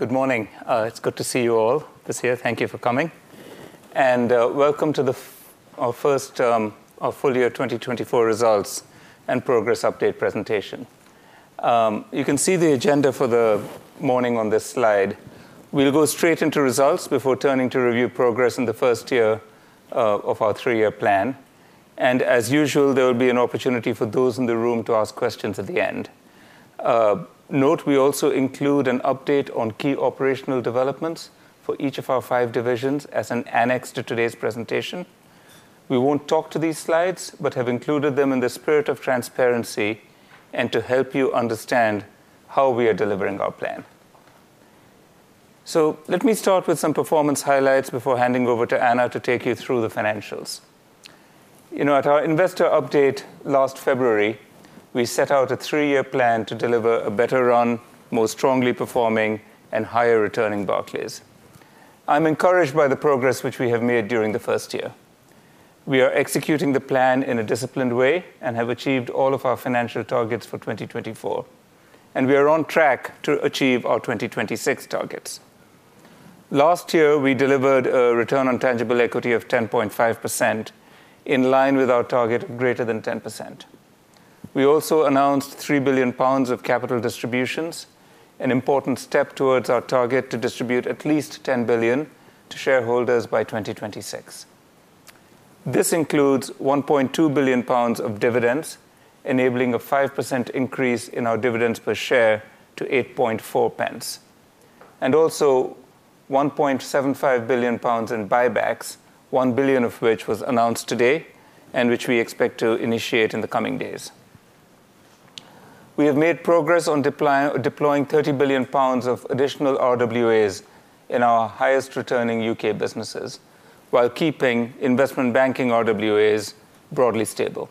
Good morning. It's good to see you all this year. Thank you for coming. And welcome to our First Full Year 2024 Results and Progress Update Presentation. You can see the agenda for the morning on this slide. We'll go straight into results before turning to review progress in the first year of our three-year plan. And as usual, there will be an opportunity for those in the room to ask questions at the end. Note, we also include an update on key operational developments for each of our five divisions as an annex to today's presentation. We won't talk to these slides, but have included them in the spirit of transparency and to help you understand how we are delivering our plan. So let me start with some performance highlights before handing over to Anna to take you through the financials. At our investor update last February, we set out a three-year plan to deliver a better run, more strongly performing, and higher returning Barclays. I'm encouraged by the progress which we have made during the first year. We are executing the plan in a disciplined way and have achieved all of our financial targets for 2024, and we are on track to achieve our 2026 targets. Last year, we delivered a return on tangible equity of 10.5% in line with our target of greater than 10%. We also announced 3 billion pounds of capital distributions, an important step towards our target to distribute at least 10 billion to shareholders by 2026. This includes 1.2 billion pounds of dividends, enabling a 5% increase in our dividends per share to 8.4p, and also 1.75 billion pounds in buybacks, 1 billion of which was announced today and which we expect to initiate in the coming days. We have made progress on deploying 30 billion pounds of additional RWAs in our highest returning UK businesses, while keeping Investment Banking RWAs broadly stable.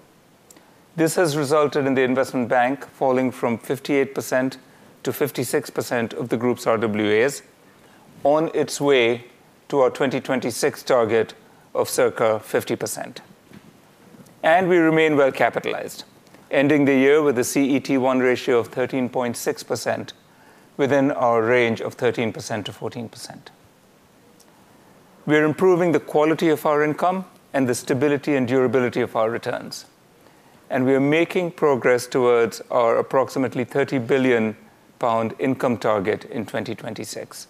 This has resulted in the Investment Bank falling from 58%-56% of the group's RWAs, on its way to our 2026 target of circa 50%. And we remain well capitalized, ending the year with a CET1 ratio of 13.6% within our range of 13%-14%. We are improving the quality of our income and the stability and durability of our returns. And we are making progress towards our approximately 30 billion pound income target in 2026.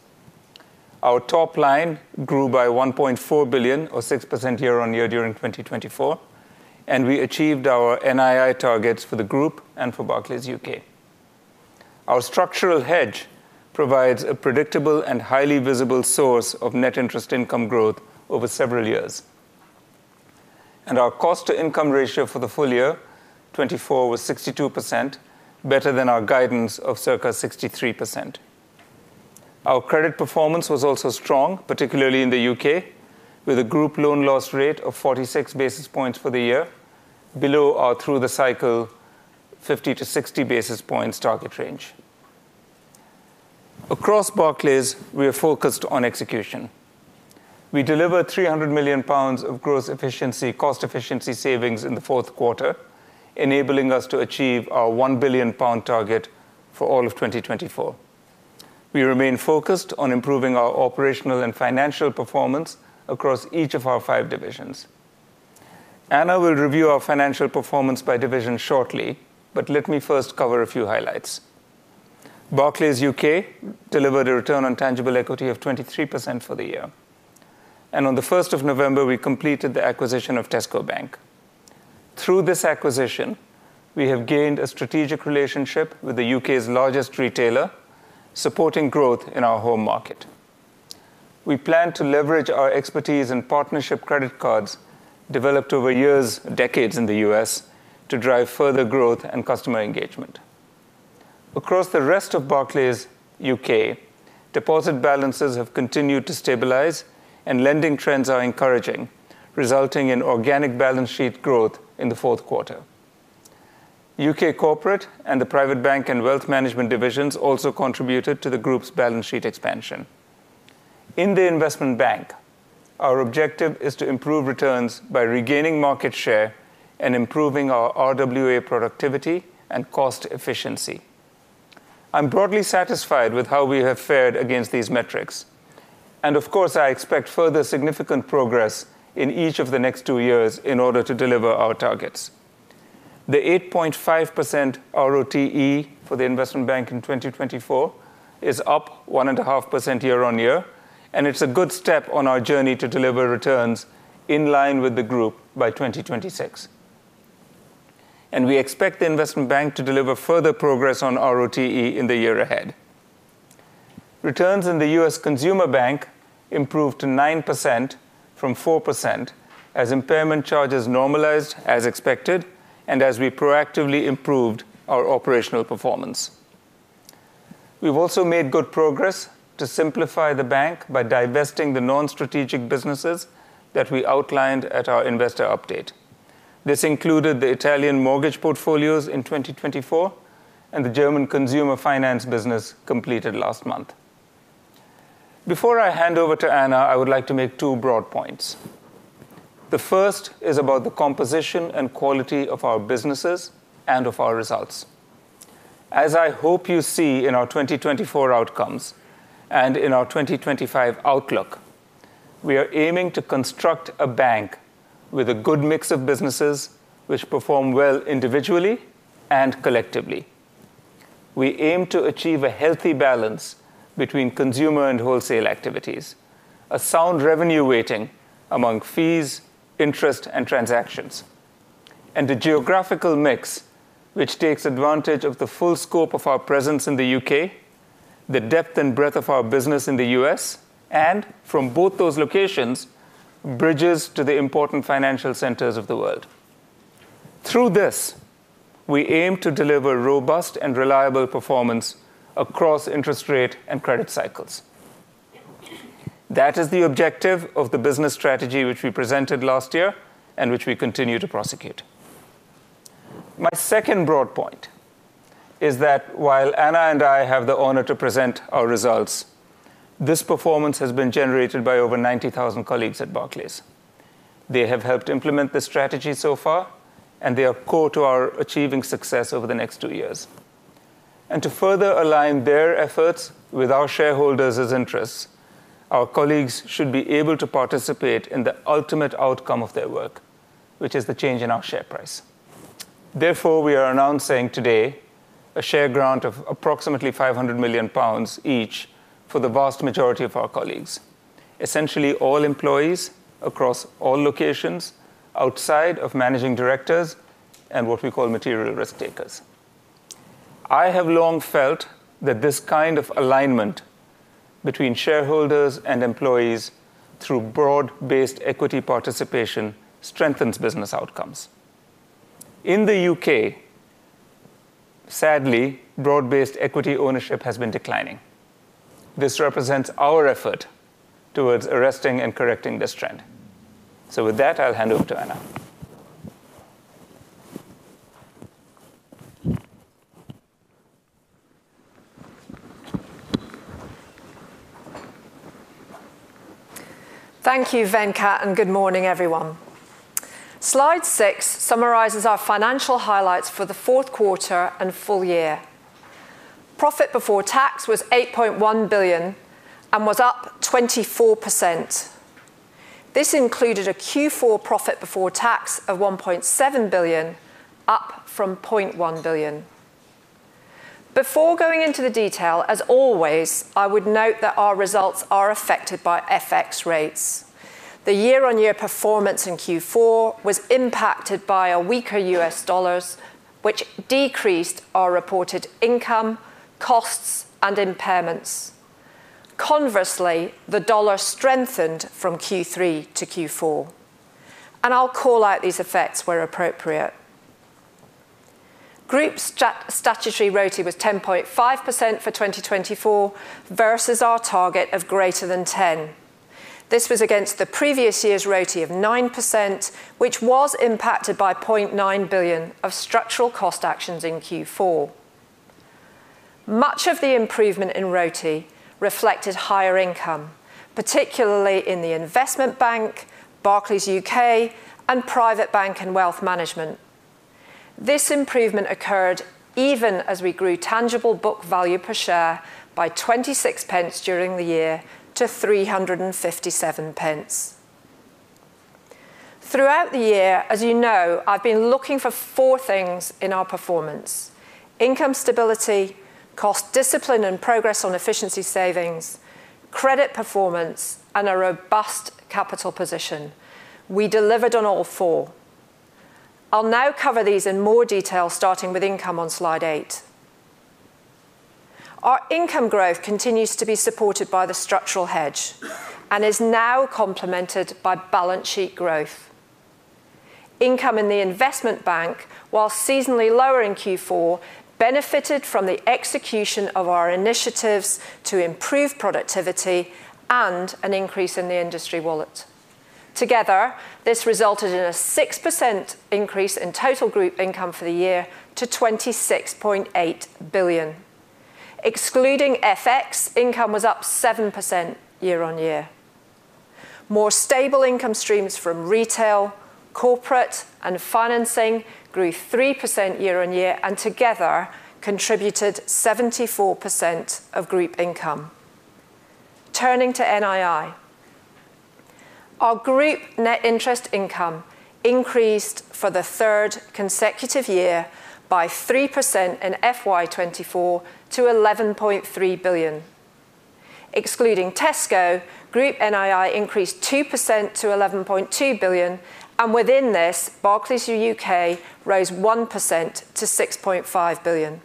Our top line grew by 1.4 billion, or 6% year-on-year during 2024. And we achieved our NII targets for the group and for Barclays UK. Our structural hedge provides a predictable and highly visible source of net interest income growth over several years. Our cost-to-income ratio for the full year 2024 was 62%, better than our guidance of circa 63%. Our credit performance was also strong, particularly in the UK, with a group loan loss rate of 46 basis points for the year, below our through-the-cycle 50-60 basis points target range. Across Barclays, we are focused on execution. We deliver 300 million pounds of gross efficiency, cost efficiency savings in the fourth quarter, enabling us to achieve our 1 billion pound target for all of 2024. We remain focused on improving our operational and financial performance across each of our five divisions. Anna will review our financial performance by division shortly, but let me first cover a few highlights. Barclays UK delivered a return on tangible equity of 23% for the year. On the 1st of November, we completed the acquisition of Tesco Bank. Through this acquisition, we have gained a strategic relationship with the U.K.'s largest retailer, supporting growth in our home market. We plan to leverage our expertise in partnership credit cards developed over years, decades in the U.S., to drive further growth and customer engagement. Across the rest of Barclays UK, deposit balances have continued to stabilize, and lending trends are encouraging, resulting in organic balance sheet growth in the fourth quarter. UK Corporate and the Private Bank and Wealth Management divisions also contributed to the group's balance sheet expansion. In the Investment Bank, our objective is to improve returns by regaining market share and improving our RWA productivity and cost efficiency. I'm broadly satisfied with how we have fared against these metrics. And of course, I expect further significant progress in each of the next two years in order to deliver our targets. The 8.5% RoTE for the Investment Bank in 2024 is up 1.5% year-on-year, and it's a good step on our journey to deliver returns in line with the group by 2026, and we expect the Investment Bank to deliver further progress on RoTE in the year ahead. Returns in the US Consumer Bank improved to 9% from 4% as impairment charges normalized as expected and as we proactively improved our operational performance. We've also made good progress to simplify the bank by divesting the non-strategic businesses that we outlined at our investor update. This included the Italian mortgage portfolios in 2024 and the German consumer finance business completed last month. Before I hand over to Anna, I would like to make two broad points. The first is about the composition and quality of our businesses and of our results. As I hope you see in our 2024 outcomes and in our 2025 outlook, we are aiming to construct a bank with a good mix of businesses which perform well individually and collectively. We aim to achieve a healthy balance between consumer and wholesale activities, a sound revenue weighting among fees, interest, and transactions, and a geographical mix which takes advantage of the full scope of our presence in the U.K., the depth and breadth of our business in the U.S., and from both those locations, bridges to the important financial centers of the world. Through this, we aim to deliver robust and reliable performance across interest rate and credit cycles. That is the objective of the business strategy which we presented last year and which we continue to prosecute. My second broad point is that while Anna and I have the honor to present our results, this performance has been generated by over 90,000 colleagues at Barclays. They have helped implement the strategy so far, and they are core to our achieving success over the next two years. To further align their efforts with our shareholders' interests, our colleagues should be able to participate in the ultimate outcome of their work, which is the change in our share price. Therefore, we are announcing today a share grant of approximately 500 each for the vast majority of our colleagues, essentially all employees across all locations outside of managing directors and what we call material risk takers. I have long felt that this kind of alignment between shareholders and employees through broad-based equity participation strengthens business outcomes. In the U.K., sadly, broad-based equity ownership has been declining. This represents our effort towards arresting and correcting this trend. So with that, I'll hand over to Anna. Thank you, Venkat, and good morning, everyone. Slide six summarizes our financial highlights for the fourth quarter and full year. Profit before tax was 8.1 billion and was up 24%. This included a Q4 profit before tax of 1.7 billion, up from 0.1 billion. Before going into the detail, as always, I would note that our results are affected by FX rates. The year-on-year performance in Q4 was impacted by a weaker U.S. dollar, which decreased our reported income, costs, and impairments. Conversely, the dollar strengthened from Q3 to Q4. And I'll call out these effects where appropriate. Group's statutory RoTE was 10.5% for 2024 versus our target of greater than 10%. This was against the previous year's RoTE of 9%, which was impacted by 0.9 billion of structural cost actions in Q4. Much of the improvement in RoTE reflected higher income, particularly in the Investment Bank, Barclays UK, and Private Bank and Wealth Management. This improvement occurred even as we grew tangible book value per share by 0.26 during the year to 3.57. Throughout the year, as you know, I've been looking for four things in our performance: income stability, cost discipline and progress on efficiency savings, credit performance, and a robust capital position. We delivered on all four. I'll now cover these in more detail, starting with income on slide eight. Our income growth continues to be supported by the structural hedge and is now complemented by balance sheet growth. Income in the Investment Bank, while seasonally lower in Q4, benefited from the execution of our initiatives to improve productivity and an increase in the industry wallet. Together, this resulted in a 6% increase in total group income for the year to 26.8 billion. Excluding FX, income was up 7% year-on-year. More stable income streams from retail, corporate, and financing grew 3% year-on-year and together contributed 74% of group income. Turning to NII, our group net interest income increased for the third consecutive year by 3% in FY24 to 11.3 billion. Excluding Tesco, group NII increased 2% to 11.2 billion, and within this, Barclays UK rose 1% to 6.5 billion.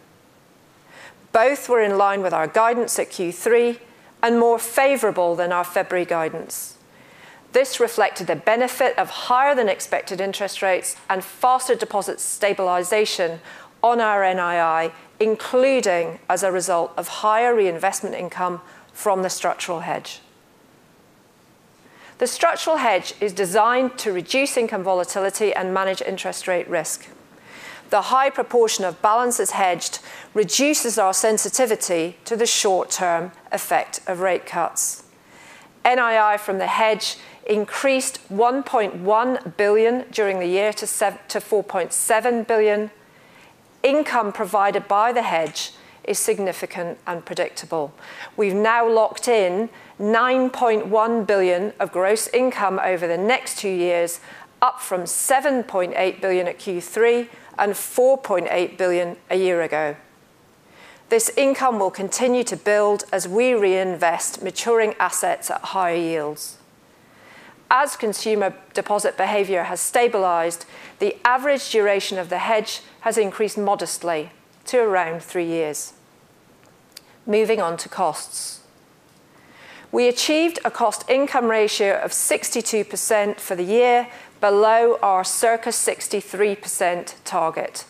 Both were in line with our guidance at Q3 and more favorable than our February guidance. This reflected the benefit of higher than expected interest rates and faster deposit stabilization on our NII, including as a result of higher reinvestment income from the structural hedge. The structural hedge is designed to reduce income volatility and manage interest rate risk. The high proportion of balances hedged reduces our sensitivity to the short-term effect of rate cuts. NII from the hedge increased 1.1 billion during the year to 4.7 billion. Income provided by the hedge is significant and predictable. We've now locked in 9.1 billion of gross income over the next two years, up from 7.8 billion at Q3 and 4.8 billion a year ago. This income will continue to build as we reinvest maturing assets at higher yields. As consumer deposit behavior has stabilized, the average duration of the hedge has increased modestly to around three years. Moving on to costs. We achieved a cost income ratio of 62% for the year, below our circa 63% target.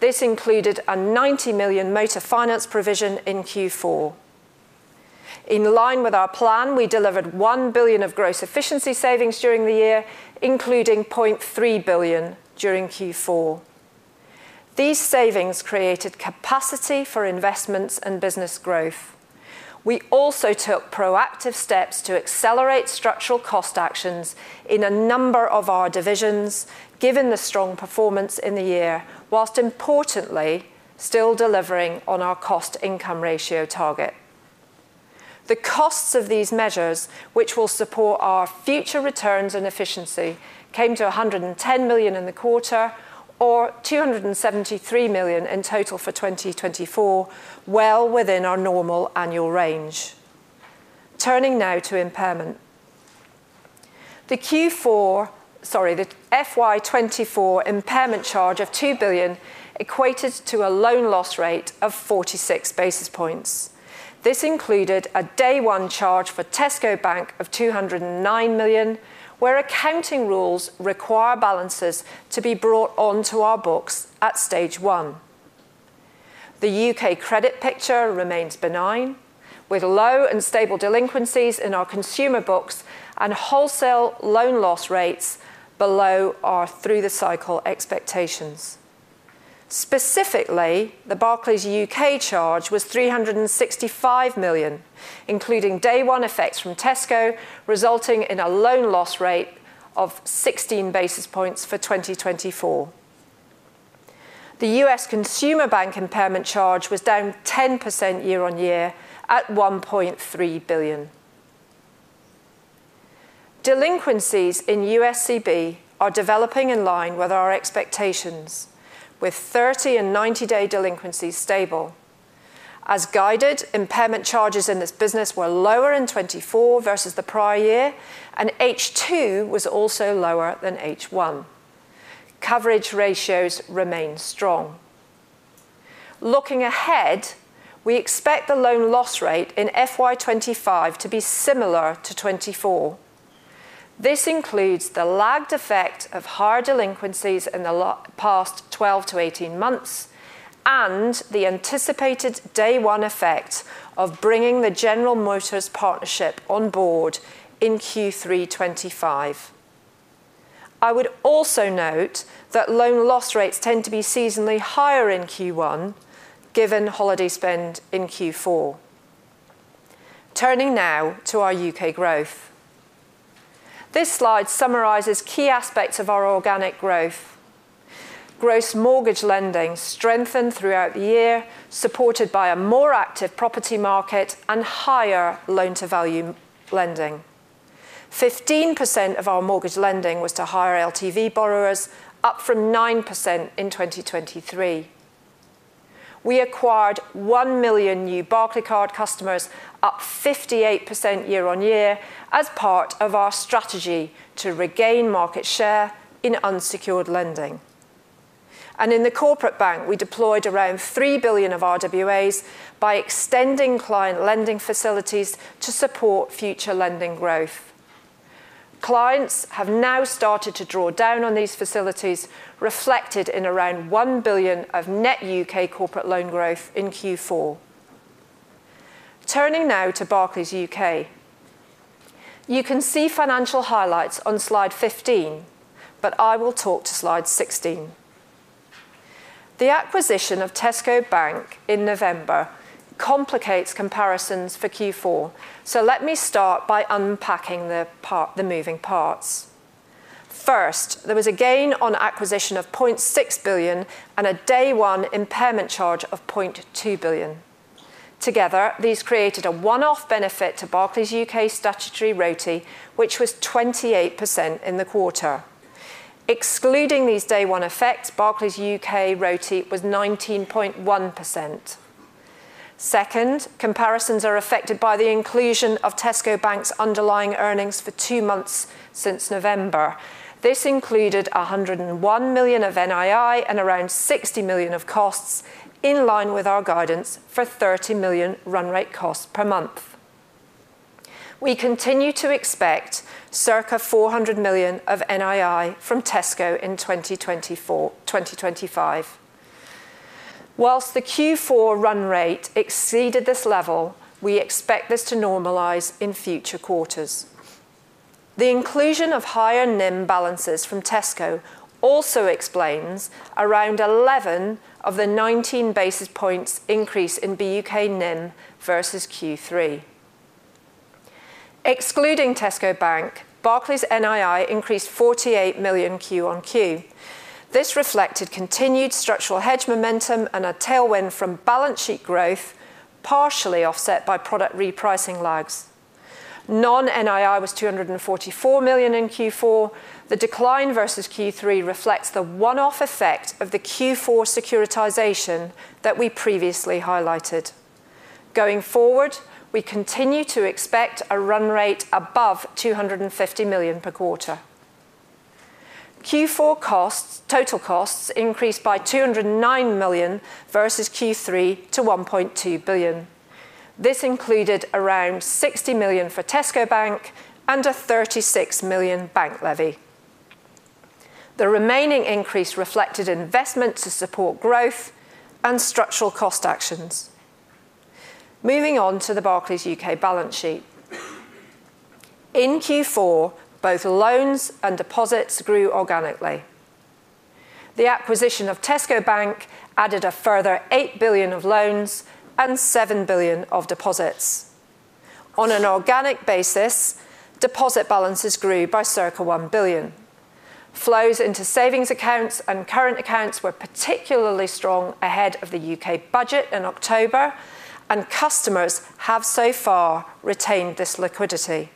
This included a 90 million motor finance provision in Q4. In line with our plan, we delivered 1 billion of gross efficiency savings during the year, including 0.3 billion during Q4. These savings created capacity for investments and business growth. We also took proactive steps to accelerate structural cost actions in a number of our divisions, given the strong performance in the year, whilst, importantly, still delivering on our cost income ratio target. The costs of these measures, which will support our future returns and efficiency, came to 110 million in the quarter, or 273 million in total for 2024, well within our normal annual range. Turning now to impairment. The Q4, sorry, the FY24 impairment charge of 2 billion equated to a loan loss rate of 46 basis points. This included a Day 1 charge for Tesco Bank of 209 million, where accounting rules require balances to be brought onto our books at Stage 1. The U.K. credit picture remains benign, with low and stable delinquencies in our consumer books and wholesale loan loss rates below our through-the-cycle expectations. Specifically, the Barclays UK charge was 365 million, including Day 1 effects from Tesco, resulting in a loan loss rate of 16 basis points for 2024. The US Consumer Bank impairment charge was down 10% year-on-year at GBP 1.3 billion. Delinquencies in USCB are developing in line with our expectations, with 30- and 90-day delinquencies stable. As guided, impairment charges in this business were lower in 2024 versus the prior year, and H2 was also lower than H1. Coverage ratios remain strong. Looking ahead, we expect the loan loss rate in FY 2025 to be similar to 2024. This includes the lagged effect of higher delinquencies in the past 12 to 18 months and the anticipated Day 1 effect of bringing the General Motors partnership on board in Q3 2025. I would also note that loan loss rates tend to be seasonally higher in Q1, given holiday spend in Q4. Turning now to our UK growth. This slide summarizes key aspects of our organic growth. Gross mortgage lending strengthened throughout the year, supported by a more active property market and higher loan-to-value lending. 15% of our mortgage lending was to higher LTV borrowers, up from 9% in 2023. We acquired 1 million new Barclaycard customers, up 58% year-on-year, as part of our strategy to regain market share in unsecured lending. And in the Corporate Bank, we deployed around 3 billion of RWAs by extending client lending facilities to support future lending growth. Clients have now started to draw down on these facilities, reflected in around 1 billion of net UK Corporate loan growth in Q4. Turning now to Barclays UK. You can see financial highlights on slide 15, but I will talk to slide 16. The acquisition of Tesco Bank in November complicates comparisons for Q4, so let me start by unpacking the moving parts. First, there was a gain on acquisition of 0.6 billion and a Day 1 impairment charge of 0.2 billion. Together, these created a one-off benefit to Barclays UK's statutory RoTE, which was 28% in the quarter. Excluding these Day 1 effects, Barclays UK RoTE was 19.1%. Second, comparisons are affected by the inclusion of Tesco Bank's underlying earnings for two months since November. This included 101 million of NII and around 60 million of costs, in line with our guidance for 30 million run rate costs per month. We continue to expect circa 400 million of NII from Tesco in 2024-2025. Whilst the Q4 run rate exceeded this level, we expect this to normalize in future quarters. The inclusion of higher NIM balances from Tesco also explains around 11 of the 19 basis points increase in BUK NIM versus Q3. Excluding Tesco Bank, Barclays NII increased 48 million Q on Q. This reflected continued structural hedge momentum and a tailwind from balance sheet growth, partially offset by product repricing lags. Non-NII was 244 million in Q4. The decline versus Q3 reflects the one-off effect of the Q4 securitization that we previously highlighted. Going forward, we continue to expect a run rate above 250 million per quarter. Q4 total costs increased by 209 million versus Q3 to 1.2 billion. This included around 60 million for Tesco Bank and a 36 million bank levy. The remaining increase reflected investment to support growth and structural cost actions. Moving on to the Barclays UK balance sheet. In Q4, both loans and deposits grew organically. The acquisition of Tesco Bank added a further 8 billion of loans and 7 billion of deposits. On an organic basis, deposit balances grew by circa 1 billion. Flows into savings accounts and current accounts were particularly strong ahead of the UK Budget in October, and customers have so far retained this liquidity.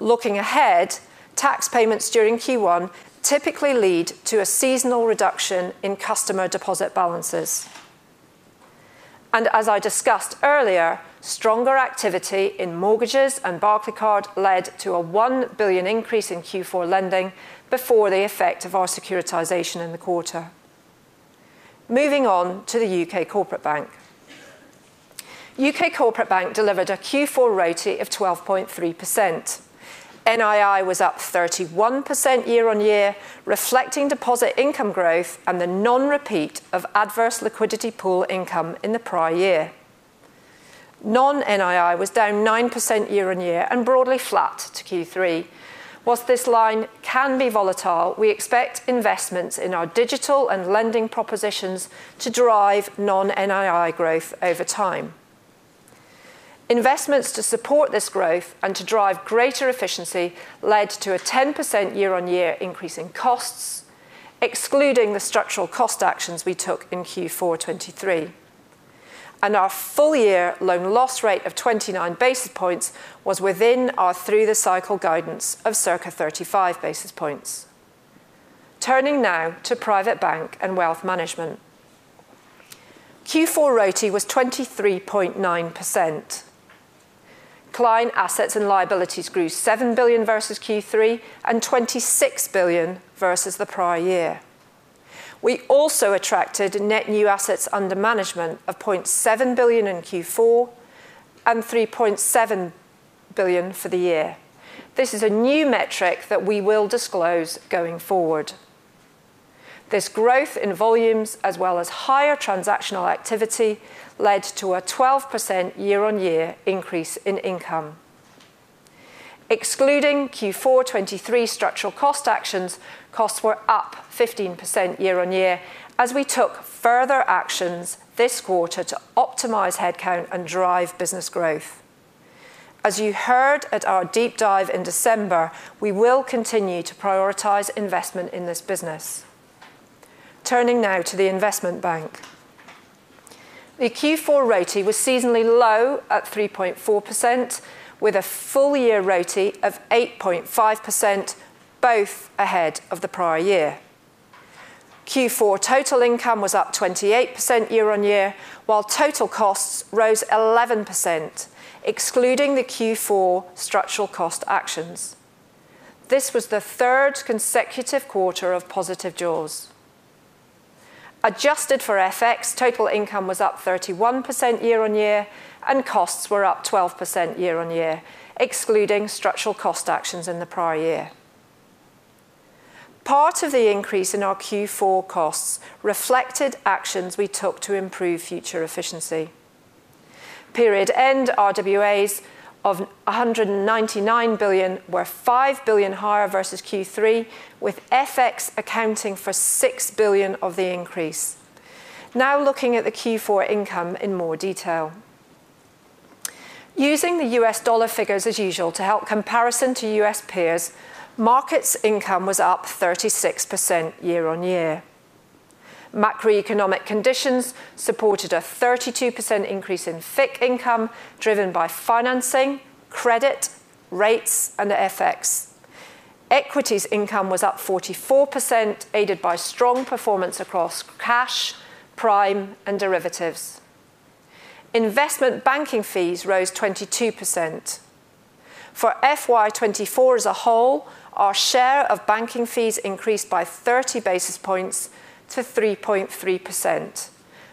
Looking ahead, tax payments during Q1 typically lead to a seasonal reduction in customer deposit balances, and as I discussed earlier, stronger activity in mortgages and Barclaycard led to a 1 billion increase in Q4 lending before the effect of our securitization in the quarter. Moving on to the UK Corporate Bank. UK Corporate Bank delivered a Q4 RoTE of 12.3%. NII was up 31% year-on-year, reflecting deposit income growth and the non-repeat of adverse liquidity pool income in the prior year. Non-NII was down 9% year-on-year and broadly flat to Q3. While this line can be volatile, we expect investments in our digital and lending propositions to drive non-NII growth over time. Investments to support this growth and to drive greater efficiency led to a 10% year-on-year increase in costs, excluding the structural cost actions we took in Q4 2023. And our full-year loan loss rate of 29 basis points was within our through-the-cycle guidance of circa 35 basis points. Turning now to Private Bank and Wealth Management. Q4 RoTE was 23.9%. Client assets and liabilities grew 7 billion versus Q3 and 26 billion versus the prior year. We also attracted net new assets under management of 0.7 billion in Q4 and 3.7 billion for the year. This is a new metric that we will disclose going forward. This growth in volumes, as well as higher transactional activity, led to a 12% year-on-year increase in income. Excluding Q4 2023 structural cost actions, costs were up 15% year-on-year as we took further actions this quarter to optimize headcount and drive business growth. As you heard at our deep dive in December, we will continue to prioritize investment in this business. Turning now to the Investment Bank. The Q4 RoTE was seasonally low at 3.4%, with a full-year RoTE of 8.5%, both ahead of the prior year. Q4 total income was up 28% year-on-year, while total costs rose 11%, excluding the Q4 structural cost actions. This was the third consecutive quarter of positive jaws. Adjusted for FX, total income was up 31% year-on-year, and costs were up 12% year-on-year, excluding structural cost actions in the prior year. Part of the increase in our Q4 costs reflected actions we took to improve future efficiency. Period-end RWAs of 199 billion were 5 billion higher versus Q3, with FX accounting for 6 billion of the increase. Now looking at the Q4 income in more detail. Using the US dollar figures as usual to help comparison to US peers, Markets income was up 36% year-on-year. Macroeconomic conditions supported a 32% increase in FICC income driven by financing, credit, rates, and FX. Equities income was up 44%, aided by strong performance across cash, prime, and derivatives. Investment banking fees rose 22%. For FY24 as a whole, our share of banking fees increased by 30 basis points to 3.3%,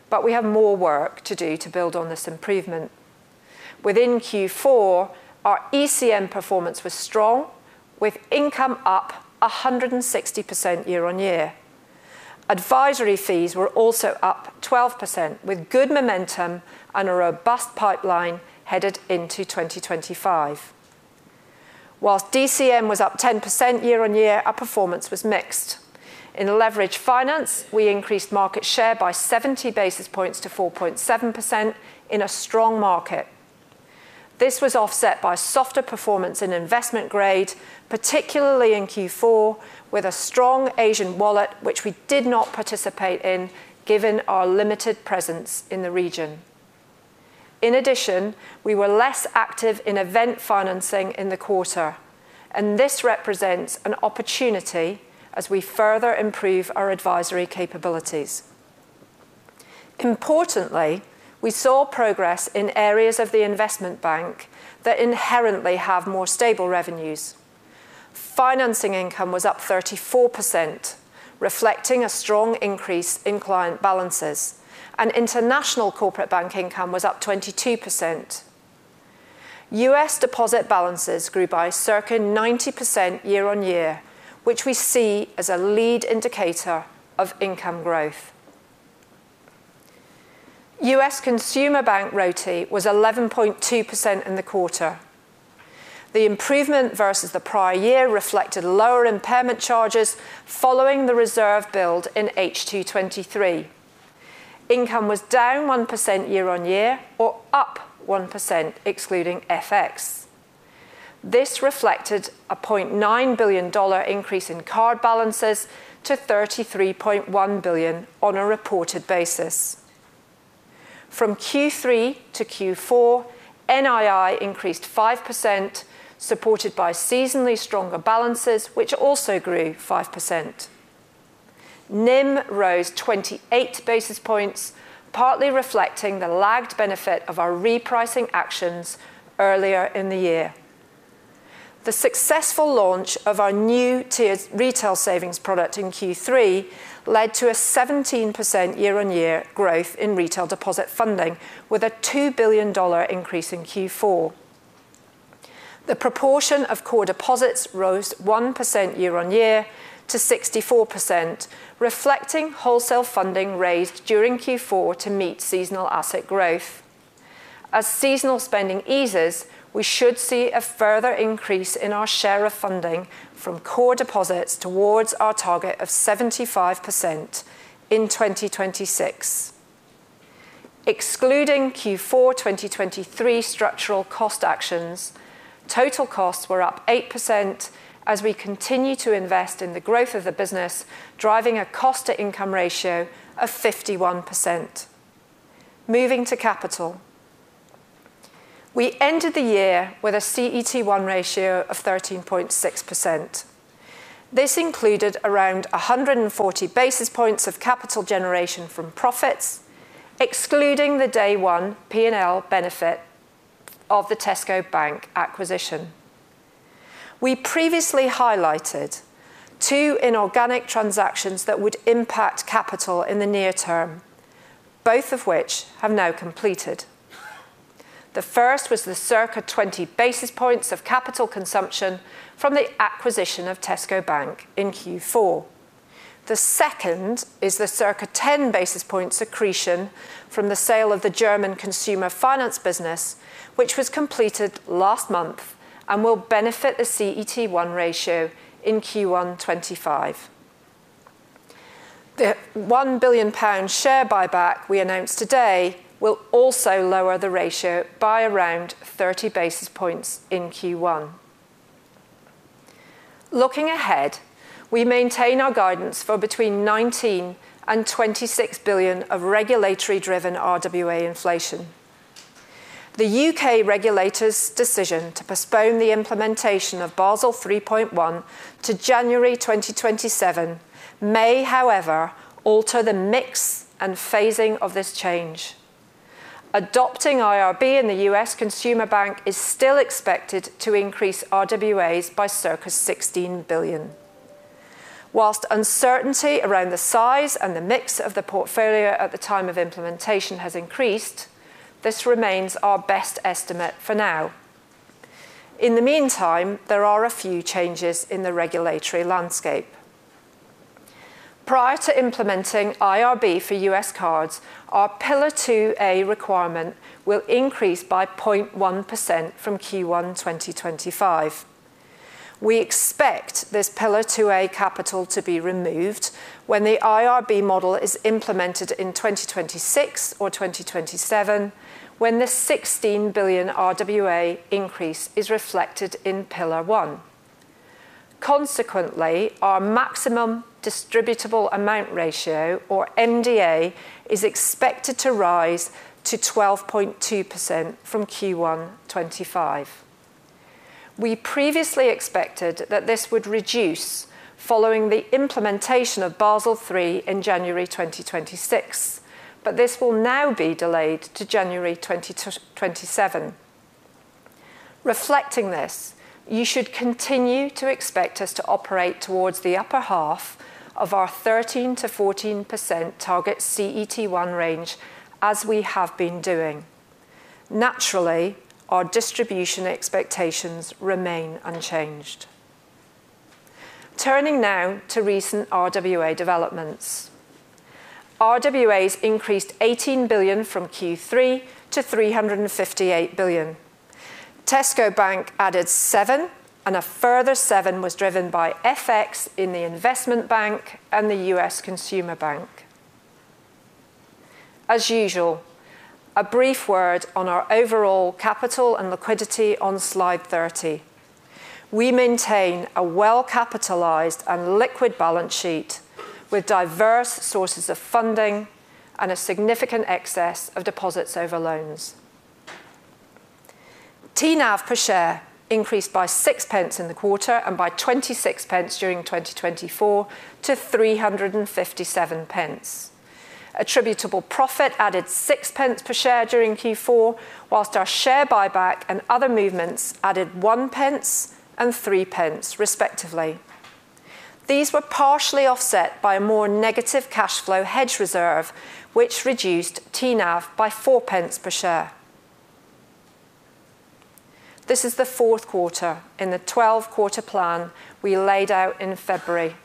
but we have more work to do to build on this improvement. Within Q4, our ECM performance was strong, with income up 160% year-on-year. Advisory fees were also up 12%, with good momentum and a robust pipeline headed into 2025. While DCM was up 10% year-on-year, our performance was mixed. In Leveraged Finance, we increased market share by 70 basis points to 4.7% in a strong market. This was offset by softer performance in investment grade, particularly in Q4, with a strong Asian wallet, which we did not participate in given our limited presence in the region. In addition, we were less active in event financing in the quarter, and this represents an opportunity as we further improve our advisory capabilities. Importantly, we saw progress in areas of the Investment Bank that inherently have more stable revenues. Financing income was up 34%, reflecting a strong increase in client balances, and International Corporate Bank income was up 22%. U.S. deposit balances grew by circa 90% year-on-year, which we see as a lead indicator of income growth. US Consumer Bank RoTE was 11.2% in the quarter. The improvement versus the prior year reflected lower impairment charges following the reserve build in H2 2023. Income was down 1% year-on-year or up 1%, excluding FX. This reflected a $0.9 billion increase in card balances to $33.1 billion on a reported basis. From Q3 to Q4, NII increased 5%, supported by seasonally stronger balances, which also grew 5%. NIM rose 28 basis points, partly reflecting the lagged benefit of our repricing actions earlier in the year. The successful launch of our new tiered retail savings product in Q3 led to a 17% year-on-year growth in retail deposit funding, with a $2 billion increase in Q4. The proportion of core deposits rose 1% year-on-year to 64%, reflecting wholesale funding raised during Q4 to meet seasonal asset growth. As seasonal spending eases, we should see a further increase in our share of funding from core deposits towards our target of 75% in 2026. Excluding Q4 2023 structural cost actions, total costs were up 8% as we continue to invest in the growth of the business, driving a cost-to-income ratio of 51%. Moving to capital. We ended the year with a CET1 ratio of 13.6%. This included around 140 basis points of capital generation from profits, excluding the Day 1 P&L benefit of the Tesco Bank acquisition. We previously highlighted two inorganic transactions that would impact capital in the near term, both of which have now completed. The first was the circa 20 basis points of capital consumption from the acquisition of Tesco Bank in Q4. The second is the circa 10 basis points accretion from the sale of the German consumer finance business, which was completed last month and will benefit the CET1 ratio in Q1 2025. The 1 billion pound share buyback we announced today will also lower the ratio by around 30 basis points in Q1. Looking ahead, we maintain our guidance for between 19 and 26 billion of regulatory-driven RWA inflation. The UK regulator's decision to postpone the implementation of Basel 3.1 to January 2027 may, however, alter the mix and phasing of this change. Adopting IRB in the US Consumer Bank is still expected to increase RWAs by circa 16 billion. While uncertainty around the size and the mix of the portfolio at the time of implementation has increased, this remains our best estimate for now. In the meantime, there are a few changes in the regulatory landscape. Prior to implementing IRB for US cards, our Pillar 2A requirement will increase by 0.1% from Q1 2025. We expect this Pillar 2A capital to be removed when the IRB model is implemented in 2026 or 2027, when the 16 billion RWA increase is reflected in Pillar 1. Consequently, our maximum distributable amount ratio, or MDA, is expected to rise to 12.2% from Q1 2025. We previously expected that this would reduce following the implementation of Basel 3 in January 2026, but this will now be delayed to January 2027. Reflecting this, you should continue to expect us to operate towards the upper half of our 13%-14% target CET1 range as we have been doing. Naturally, our distribution expectations remain unchanged. Turning now to recent RWA developments. RWAs increased 18 billion from Q3 to 358 billion. Tesco Bank added 7, and a further 7 was driven by FX in the Investment Bank and the US Consumer Bank. As usual, a brief word on our overall capital and liquidity on slide 30. We maintain a well-capitalized and liquid balance sheet with diverse sources of funding and a significant excess of deposits over loans. TNAV per share increased by 6 pence in the quarter and by 26 pence during 2024 to 357 pence. Attributable profit added 6 pence per share during Q4, whilst our share buyback and other movements added 1 pence and 3 pence, respectively. These were partially offset by a more negative cash flow hedge reserve, which reduced TNAV by 4 pence per share. This is the fourth quarter in the 12-quarter plan we laid out in February.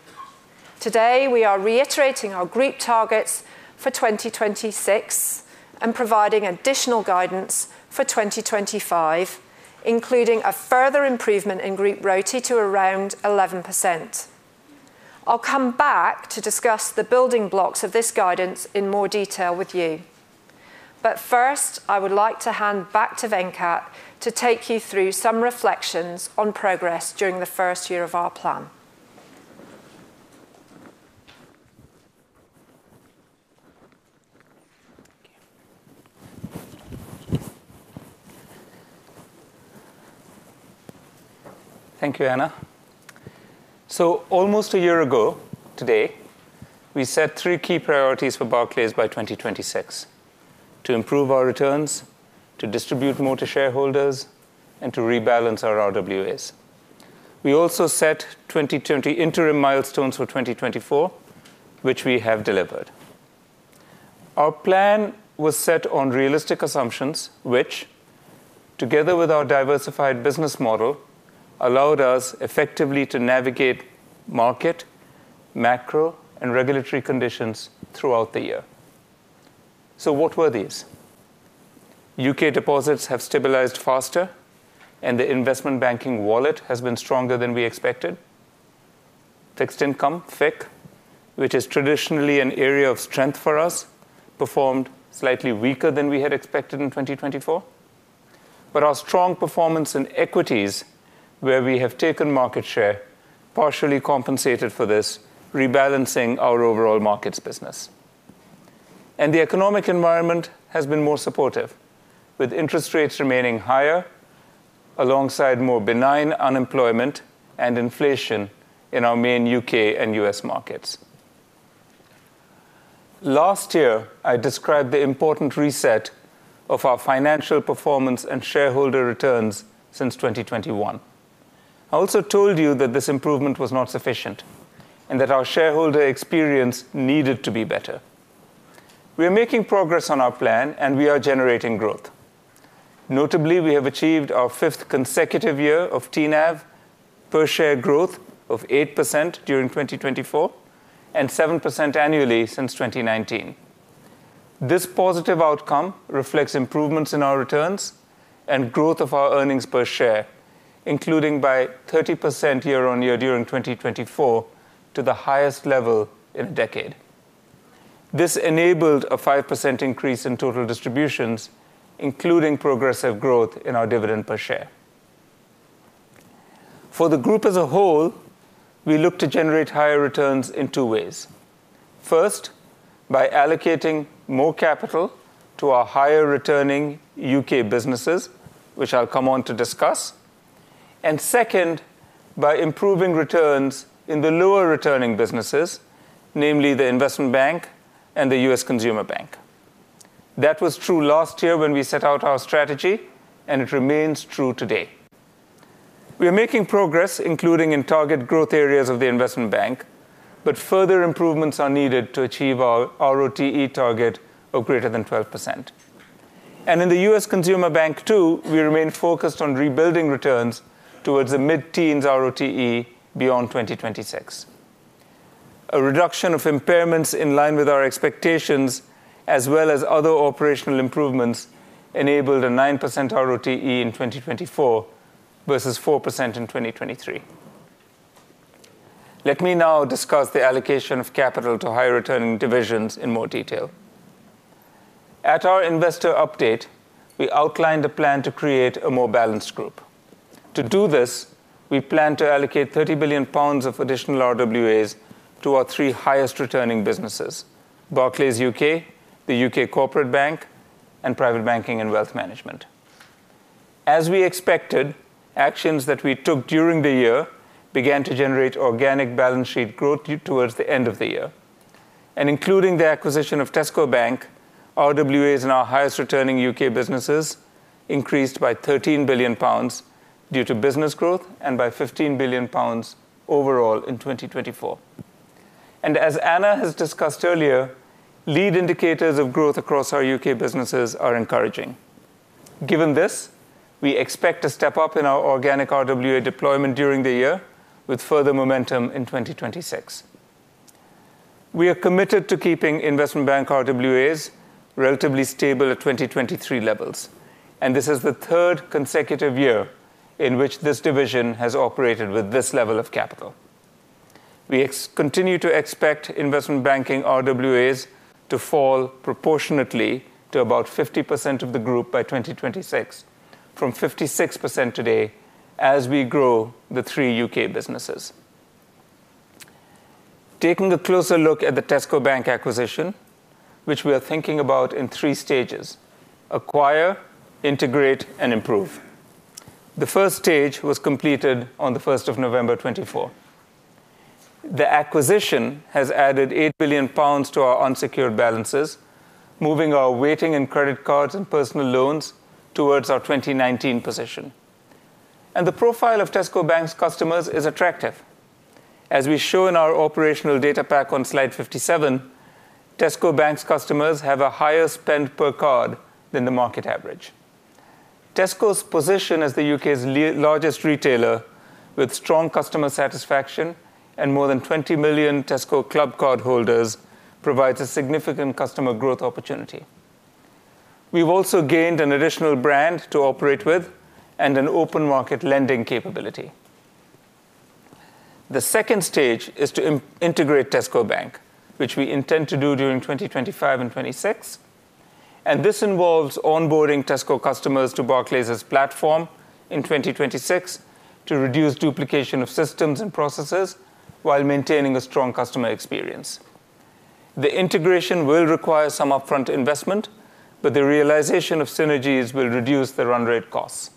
Today, we are reiterating our group targets for 2026 and providing additional guidance for 2025, including a further improvement in group RoTE to around 11%. I'll come back to discuss the building blocks of this guidance in more detail with you. But first, I would like to hand back to Venkat to take you through some reflections on progress during the first year of our plan. Thank you, Anna. So, almost a year ago today, we set out interim milestones for 2024, which we have delivered. Our plan was set on realistic assumptions, which, together with our diversified business model, allowed us effectively to navigate market, macro, and regulatory conditions throughout the year. So, what were these? UK deposits have stabilized faster, and the Investment Banking wallet has been stronger than we expected. Fixed income, FICC, which is traditionally an area of strength for us, performed slightly weaker than we had expected in 2024, but our strong performance in equities, where we have taken market share, partially compensated for this, rebalancing our overall markets business, and the economic environment has been more supportive, with interest rates remaining higher, alongside more benign unemployment and inflation in our main U.K. and U.S. markets. Last year, I described the important reset of our financial performance and shareholder returns since 2021. I also told you that this improvement was not sufficient and that our shareholder experience needed to be better. We are making progress on our plan, and we are generating growth. Notably, we have achieved our fifth consecutive year of TNAV per share growth of 8% during 2024 and 7% annually since 2019. This positive outcome reflects improvements in our returns and growth of our earnings per share, including by 30% year-on-year during 2024 to the highest level in a decade. This enabled a 5% increase in total distributions, including progressive growth in our dividend per share. For the group as a whole, we look to generate higher returns in two ways. First, by allocating more capital to our higher returning U.K. businesses, which I'll come on to discuss, and second, by improving returns in the lower returning businesses, namely the Investment Bank and the US Consumer Bank. That was true last year when we set out our strategy, and it remains true today. We are making progress, including in target growth areas of the Investment Bank, but further improvements are needed to achieve our RoTE target of greater than 12%. And in the US Consumer Bank, too, we remain focused on rebuilding returns towards the mid-teens RoTE beyond 2026. A reduction of impairments in line with our expectations, as well as other operational improvements, enabled a 9% RoTE in 2024 versus 4% in 2023. Let me now discuss the allocation of capital to higher returning divisions in more detail. At our investor update, we outlined a plan to create a more balanced group. To do this, we plan to allocate 30 billion pounds of additional RWAs to our three highest returning businesses: Barclays UK, the UK Corporate Bank, and Private Bank and Wealth Management. As we expected, actions that we took during the year began to generate organic balance sheet growth towards the end of the year. Including the acquisition of Tesco Bank, RWAs in our highest returning UK businesses increased by 13 billion pounds due to business growth and by 15 billion pounds overall in 2024. As Anna has discussed earlier, leading indicators of growth across our UK businesses are encouraging. Given this, we expect a step up in our organic RWA deployment during the year, with further momentum in 2026. We are committed to keeping Investment Bank RWAs relatively stable at 2023 levels, and this is the third consecutive year in which this division has operated with this level of capital. We continue to expect Investment Banking RWAs to fall proportionately to about 50% of the group by 2026, from 56% today as we grow the three UK businesses. Taking a closer look at the Tesco Bank acquisition, which we are thinking about in three stages: acquire, integrate, and improve. The first stage was completed on the 1st of November 2024. The acquisition has added 8 billion pounds to our unsecured balances, moving our weighting and credit cards and personal loans towards our 2019 position. The profile of Tesco Bank's customers is attractive. As we show in our operational data pack on slide 57, Tesco Bank's customers have a higher spend per card than the market average. Tesco's position as the U.K.'s largest retailer, with strong customer satisfaction and more than 20 million Tesco Clubcard holders, provides a significant customer growth opportunity. We've also gained an additional brand to operate with and an open market lending capability. The second stage is to integrate Tesco Bank, which we intend to do during 2025 and 2026. This involves onboarding Tesco customers to Barclays' platform in 2026 to reduce duplication of systems and processes while maintaining a strong customer experience. The integration will require some upfront investment, but the realization of synergies will reduce the run rate costs.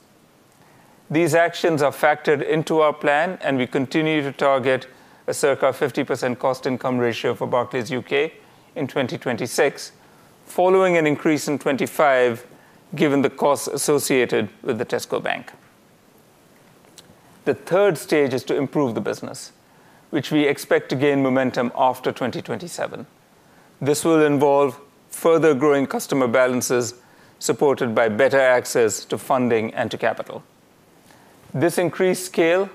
These actions are factored into our plan, and we continue to target a circa 50% cost income ratio for Barclays UK in 2026, following an increase in 2025 given the costs associated with the Tesco Bank. The third stage is to improve the business, which we expect to gain momentum after 2027. This will involve further growing customer balances supported by better access to funding and to capital. This increased scale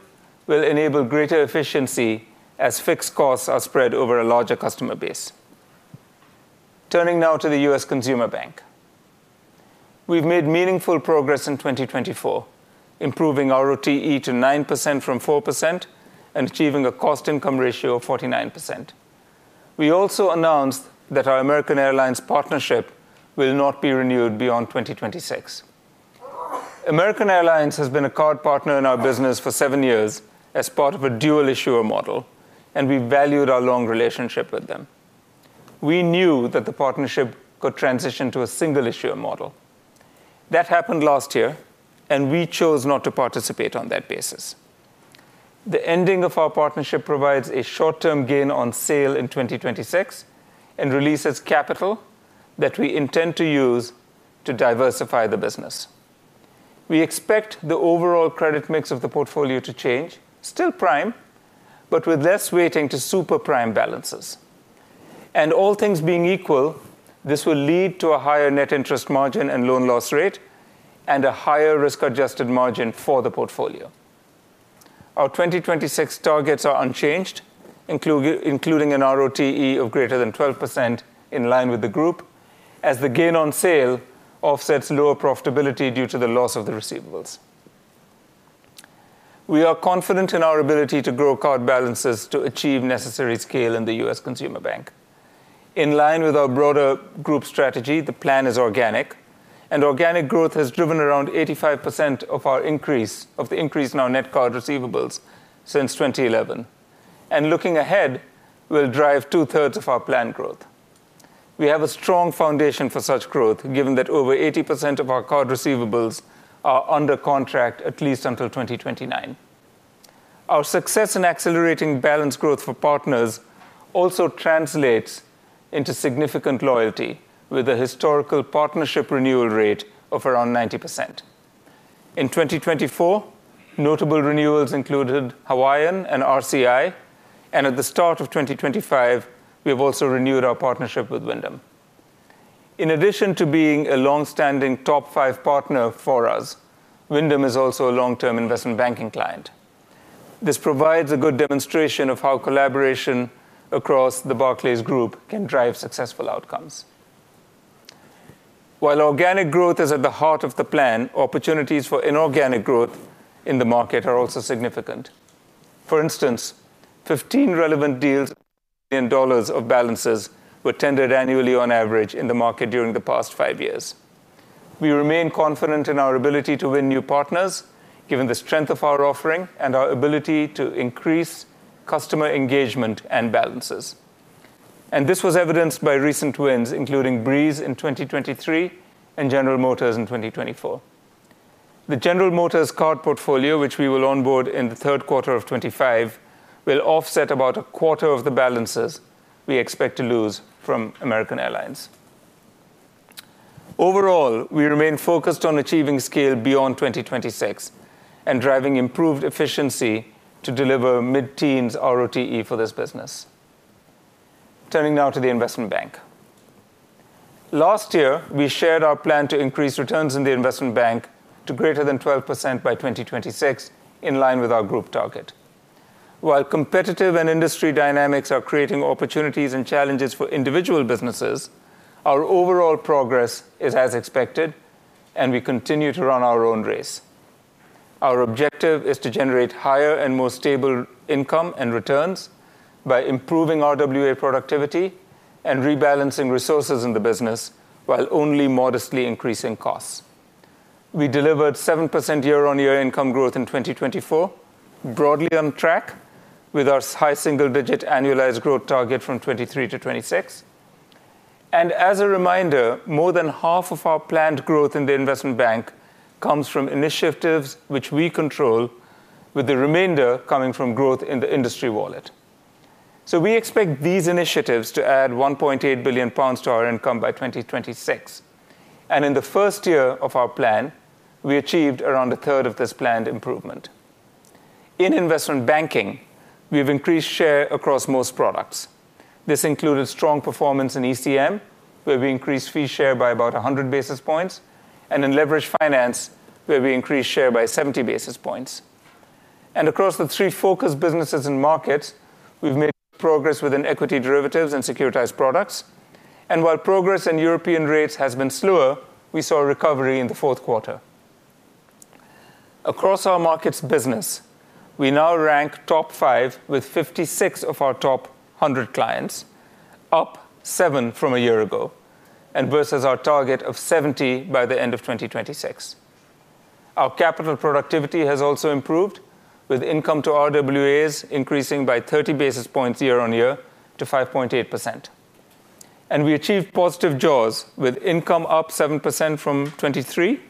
will enable greater efficiency as fixed costs are spread over a larger customer base. Turning now to the US Consumer Bank, we've made meaningful progress in 2024, improving RoTE to 9% from 4% and achieving a cost income ratio of 49%. We also announced that our American Airlines partnership will not be renewed beyond 2026. American Airlines has been a card partner in our business for seven years as part of a dual issuer model, and we valued our long relationship with them. We knew that the partnership could transition to a single issuer model. That happened last year, and we chose not to participate on that basis. The ending of our partnership provides a short-term gain on sale in 2026 and releases capital that we intend to use to diversify the business. We expect the overall credit mix of the portfolio to change, still prime, but with less weighting to super prime balances, and all things being equal, this will lead to a higher net interest margin and loan loss rate and a higher risk-adjusted margin for the portfolio. Our 2026 targets are unchanged, including an RoTE of greater than 12% in line with the group, as the gain on sale offsets lower profitability due to the loss of the receivables. We are confident in our ability to grow card balances to achieve necessary scale in the US Consumer Bank. In line with our broader group strategy, the plan is organic, and organic growth has driven around 85% of the increase in our net card receivables since 2011. Looking ahead, we'll drive two-thirds of our planned growth. We have a strong foundation for such growth, given that over 80% of our card receivables are under contract at least until 2029. Our success in accelerating balance growth for partners also translates into significant loyalty, with a historical partnership renewal rate of around 90%. In 2024, notable renewals included Hawaiian and RCI, and at the start of 2025, we have also renewed our partnership with Wyndham. In addition to being a long-standing top five partner for us, Wyndham is also a long-term Investment Banking client. This provides a good demonstration of how collaboration across the Barclays Group can drive successful outcomes. While organic growth is at the heart of the plan, opportunities for inorganic growth in the market are also significant. For instance, 15 relevant deals in billions of dollars of balances were tendered annually on average in the market during the past five years. We remain confident in our ability to win new partners, given the strength of our offering and our ability to increase customer engagement and balances, and this was evidenced by recent wins, including Breeze in 2023 and General Motors in 2024. The General Motors card portfolio, which we will onboard in the third quarter of 2025, will offset about a quarter of the balances we expect to lose from American Airlines. Overall, we remain focused on achieving scale beyond 2026 and driving improved efficiency to deliver mid-teens RoTE for this business. Turning now to the Investment Bank. Last year, we shared our plan to increase returns in the Investment Bank to greater than 12% by 2026, in line with our group target. While competitive and industry dynamics are creating opportunities and challenges for individual businesses, our overall progress is as expected, and we continue to run our own race. Our objective is to generate higher and more stable income and returns by improving RWA productivity and rebalancing resources in the business while only modestly increasing costs. We delivered 7% year-over-year income growth in 2024, broadly on track with our high single-digit annualized growth target from 2023 to 2026, and as a reminder, more than half of our planned growth in the Investment Bank comes from initiatives which we control, with the remainder coming from growth in the industry wallet, so we expect these initiatives to add 1.8 billion pounds to our income by 2026, and in the first year of our plan, we achieved around a third of this planned improvement. In Investment Banking, we have increased share across most products. This included strong performance in ECM, where we increased fee share by about 100 basis points, and in leverage finance, where we increased share by 70 basis points, and across the three focus businesses and markets, we've made progress within equity derivatives and securitized products. While progress in European rates has been slower, we saw a recovery in the fourth quarter. Across our markets business, we now rank top five with 56 of our top 100 clients, up seven from a year ago and versus our target of 70 by the end of 2026. Our capital productivity has also improved, with income to RWAs increasing by 30 basis points year-on-year to 5.8%. We achieved positive jaws with income up 7% from 2023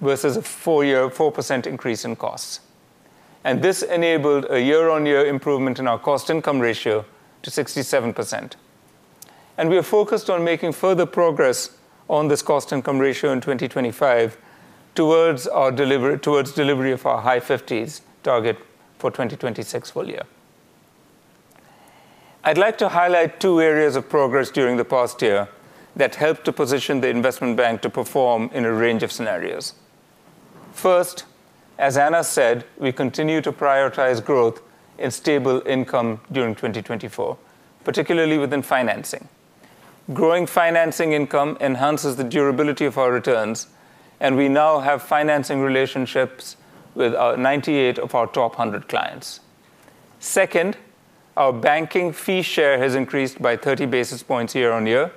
versus a four-year 4% increase in costs. This enabled a year-on-year improvement in our cost income ratio to 67%. We are focused on making further progress on this cost income ratio in 2025 towards delivery of our high 50s target for 2026 full year. I'd like to highlight two areas of progress during the past year that helped to position the Investment Bank to perform in a range of scenarios. First, as Anna said, we continue to prioritize growth in stable income during 2024, particularly within financing. Growing financing income enhances the durability of our returns, and we now have financing relationships with 98 of our top 100 clients. Second, our banking fee share has increased by 30 basis points year-on-year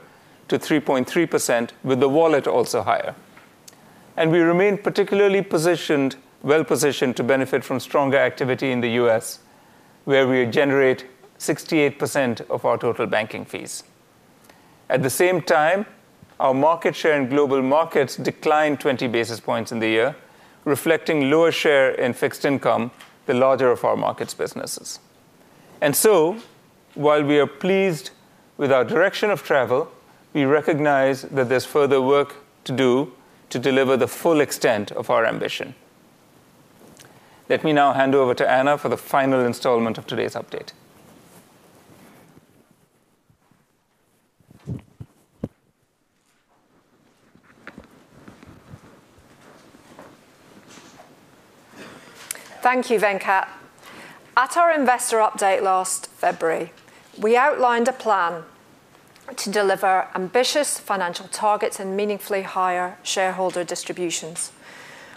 to 3.3%, with the wallet also higher. And we remain particularly well positioned to benefit from stronger activity in the U.S., where we generate 68% of our total banking fees. At the same time, our market share in Global Markets declined 20 basis points in the year, reflecting lower share in fixed income in the larger of our markets businesses. So, while we are pleased with our direction of travel, we recognize that there's further work to do to deliver the full extent of our ambition. Let me now hand over to Anna for the final installment of today's update. Thank you, Venkat. At our investor update last February, we outlined a plan to deliver ambitious financial targets and meaningfully higher shareholder distributions.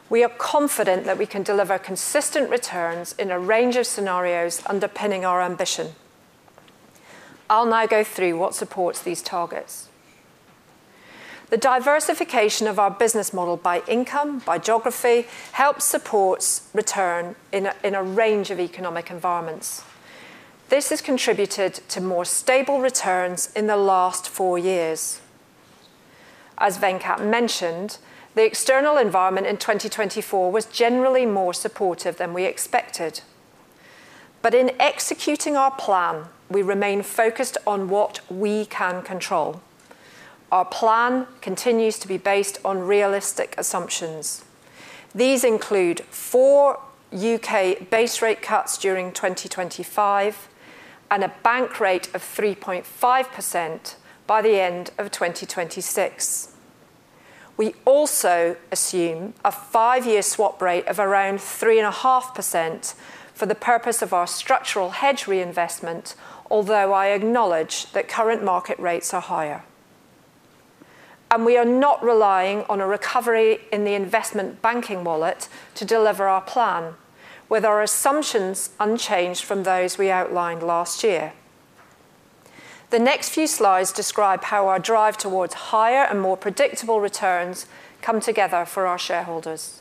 We are confident that we can deliver consistent returns in a range of scenarios underpinning our ambition. I'll now go through what supports these targets. The diversification of our business model by income, by geography, helps support returns in a range of economic environments. This has contributed to more stable returns in the last four years. As Venkat mentioned, the external environment in 2024 was generally more supportive than we expected. In executing our plan, we remain focused on what we can control. Our plan continues to be based on realistic assumptions. These include four UK base rate cuts during 2025 and a bank rate of 3.5% by the end of 2026. We also assume a five-year swap rate of around 3.5% for the purpose of our structural hedge reinvestment, although I acknowledge that current market rates are higher. We are not relying on a recovery in the Investment Banking wallet to deliver our plan, with our assumptions unchanged from those we outlined last year. The next few slides describe how our drive towards higher and more predictable returns come together for our shareholders.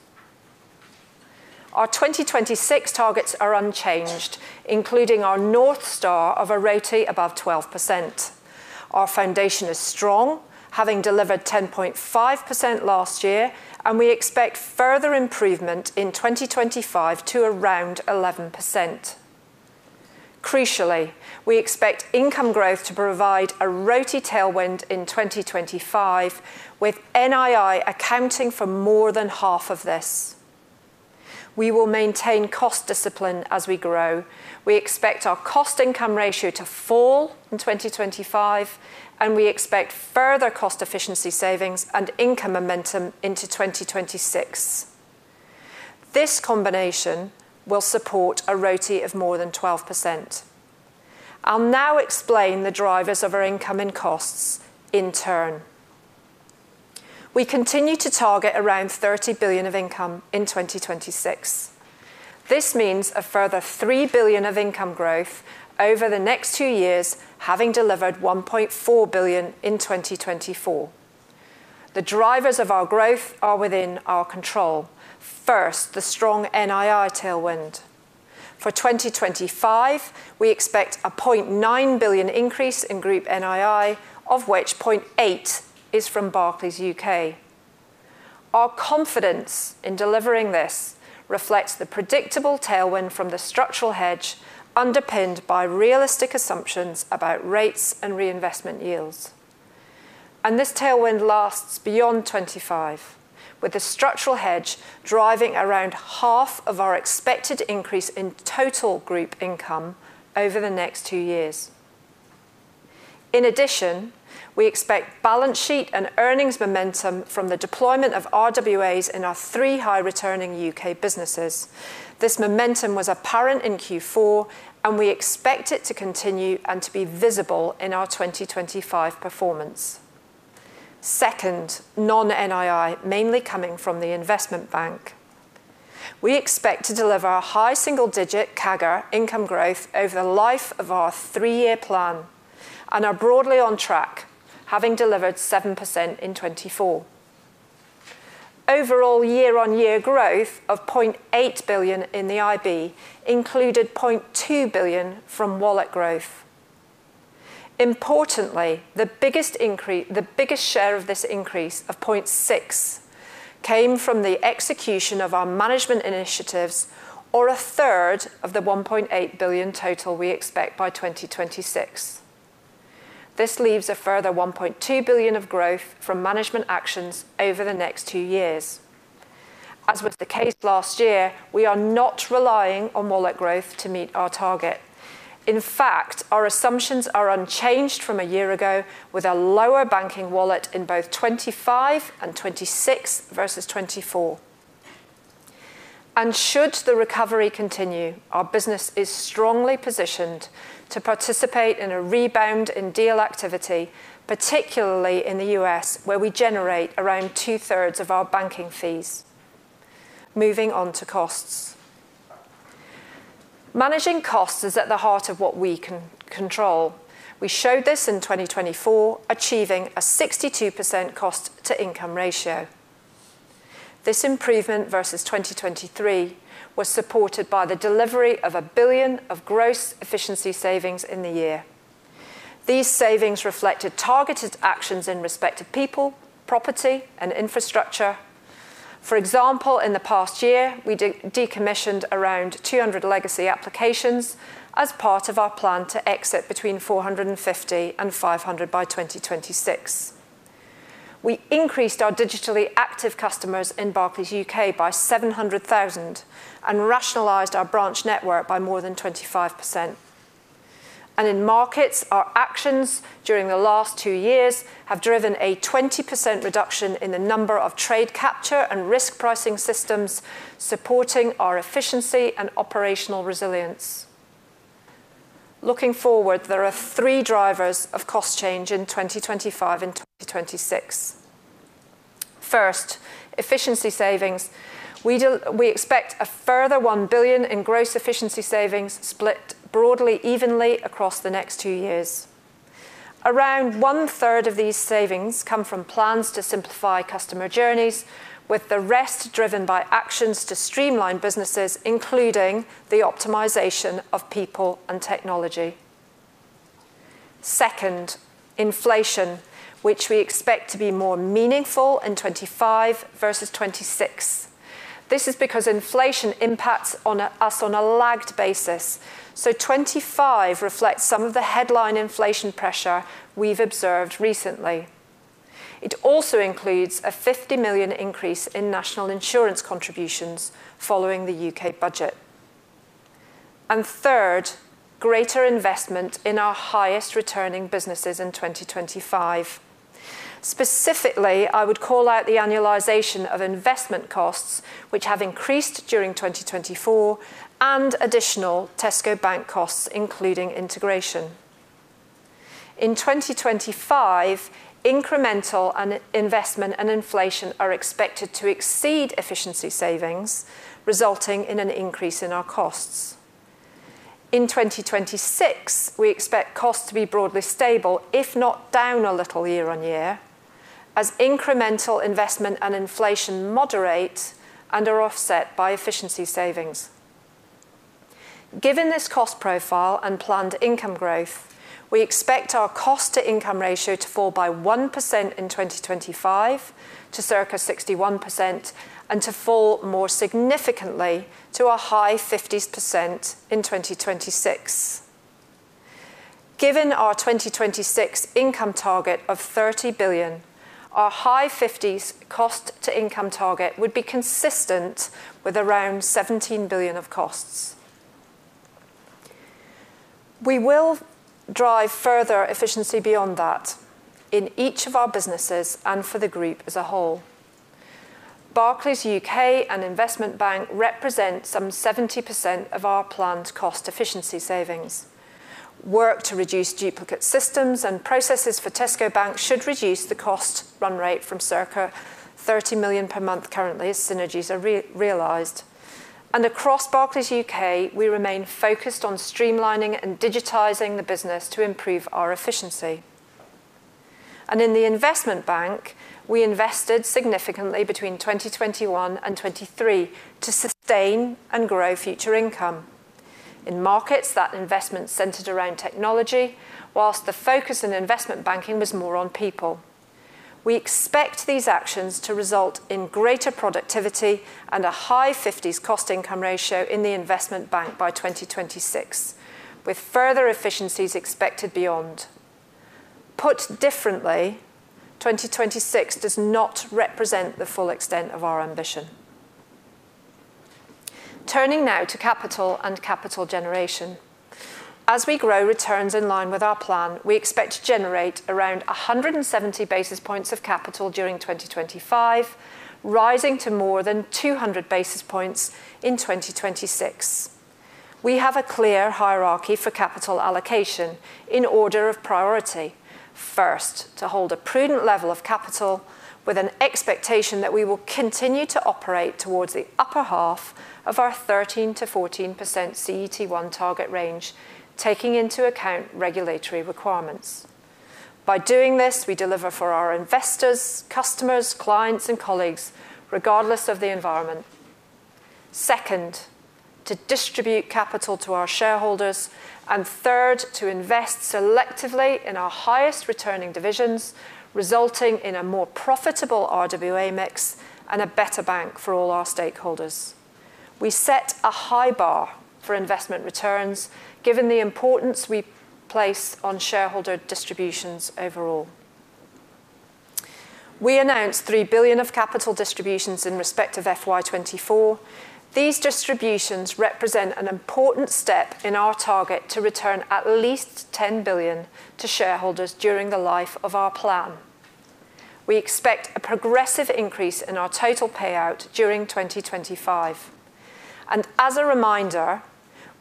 Our 2026 targets are unchanged, including our North Star of a RoTE above 12%. Our foundation is strong, having delivered 10.5% last year, and we expect further improvement in 2025 to around 11%. Crucially, we expect income growth to provide a RoTE tailwind in 2025, with NII accounting for more than half of this. We will maintain cost discipline as we grow. We expect our cost income ratio to fall in 2025, and we expect further cost efficiency savings and income momentum into 2026. This combination will support a RoTE of more than 12%. I'll now explain the drivers of our income and costs in turn. We continue to target around 30 billion of income in 2026. This means a further 3 billion of income growth over the next two years, having delivered 1.4 billion in 2024. The drivers of our growth are within our control. First, the strong NII tailwind. For 2025, we expect a 0.9 billion increase in group NII, of which 0.8 billion is from Barclays UK. Our confidence in delivering this reflects the predictable tailwind from the structural hedge underpinned by realistic assumptions about rates and reinvestment yields, and this tailwind lasts beyond 2025, with the structural hedge driving around half of our expected increase in total group income over the next two years. In addition, we expect balance sheet and earnings momentum from the deployment of RWAs in our three high-returning UK businesses. This momentum was apparent in Q4, and we expect it to continue and to be visible in our 2025 performance. Second, non-NII mainly coming from the Investment Bank. We expect to deliver a high single-digit CAGR income growth over the life of our three-year plan and are broadly on track, having delivered 7% in 2024. Overall year-on-year growth of 0.8 billion in the IB included 0.2 billion from wallet growth. Importantly, the biggest share of this increase of 0.6 came from the execution of our management initiatives, or a third of the 1.8 billion total we expect by 2026. This leaves a further 1.2 billion of growth from management actions over the next two years. As was the case last year, we are not relying on wallet growth to meet our target. In fact, our assumptions are unchanged from a year ago, with a lower banking wallet in both 2025 and 2026 versus 2024, and should the recovery continue, our business is strongly positioned to participate in a rebound in deal activity, particularly in the U.S., where we generate around two-thirds of our banking fees. Moving on to costs. Managing costs is at the heart of what we can control. We showed this in 2024, achieving a 62% cost-to-income ratio. This improvement versus 2023 was supported by the delivery of 1 billion of gross efficiency savings in the year. These savings reflected targeted actions in respect to people, property, and infrastructure. For example, in the past year, we decommissioned around 200 legacy applications as part of our plan to exit between 450 and 500 by 2026. We increased our digitally active customers in Barclays UK by 700,000 and rationalized our branch network by more than 25%, and in markets, our actions during the last two years have driven a 20% reduction in the number of trade capture and risk pricing systems supporting our efficiency and operational resilience. Looking forward, there are three drivers of cost change in 2025 and 2026. First, efficiency savings. We expect a further 1 billion in gross efficiency savings split broadly evenly across the next two years. Around one-third of these savings come from plans to simplify customer journeys, with the rest driven by actions to streamline businesses, including the optimization of people and technology. Second, inflation, which we expect to be more meaningful in 2025 versus 2026. This is because inflation impacts us on a lagged basis. So 2025 reflects some of the headline inflation pressure we've observed recently. It also includes a 50 million increase in National Insurance contributions following the UK Budget. And third, greater investment in our highest returning businesses in 2025. Specifically, I would call out the annualization of investment costs, which have increased during 2024, and additional Tesco Bank costs, including integration. In 2025, incremental investment and inflation are expected to exceed efficiency savings, resulting in an increase in our costs. In 2026, we expect costs to be broadly stable, if not down a little year-on-year, as incremental investment and inflation moderate and are offset by efficiency savings. Given this cost profile and planned income growth, we expect our cost-to-income ratio to fall by 1% in 2025 to circa 61% and to fall more significantly to a high 50s in 2026. Given our 2026 income target of 30 billion, our high 50s cost-to-income target would be consistent with around 17 billion of costs. We will drive further efficiency beyond that in each of our businesses and for the group as a whole. Barclays UK and Investment Bank represent some 70% of our planned cost efficiency savings. Work to reduce duplicate systems and processes for Tesco Bank should reduce the cost run rate from circa 30 million per month currently as synergies are realized. Across Barclays UK, we remain focused on streamlining and digitizing the business to improve our efficiency. In the Investment Bank, we invested significantly between 2021 and 2023 to sustain and grow future income in markets that investment centered around technology, while the focus in Investment Banking was more on people. We expect these actions to result in greater productivity and a high 50s cost-income ratio in the Investment Bank by 2026, with further efficiencies expected beyond. Put differently, 2026 does not represent the full extent of our ambition. Turning now to capital and capital generation. As we grow returns in line with our plan, we expect to generate around 170 basis points of capital during 2025, rising to more than 200 basis points in 2026. We have a clear hierarchy for capital allocation in order of priority. First, to hold a prudent level of capital with an expectation that we will continue to operate towards the upper half of our 13%-14% CET1 target range, taking into account regulatory requirements. By doing this, we deliver for our investors, customers, clients, and colleagues, regardless of the environment. Second, to distribute capital to our shareholders. And third, to invest selectively in our highest returning divisions, resulting in a more profitable RWA mix and a better bank for all our stakeholders. We set a high bar for investment returns, given the importance we place on shareholder distributions overall. We announced 3 billion of capital distributions in respect of FY24. These distributions represent an important step in our target to return at least 10 billion to shareholders during the life of our plan. We expect a progressive increase in our total payout during 2025. As a reminder,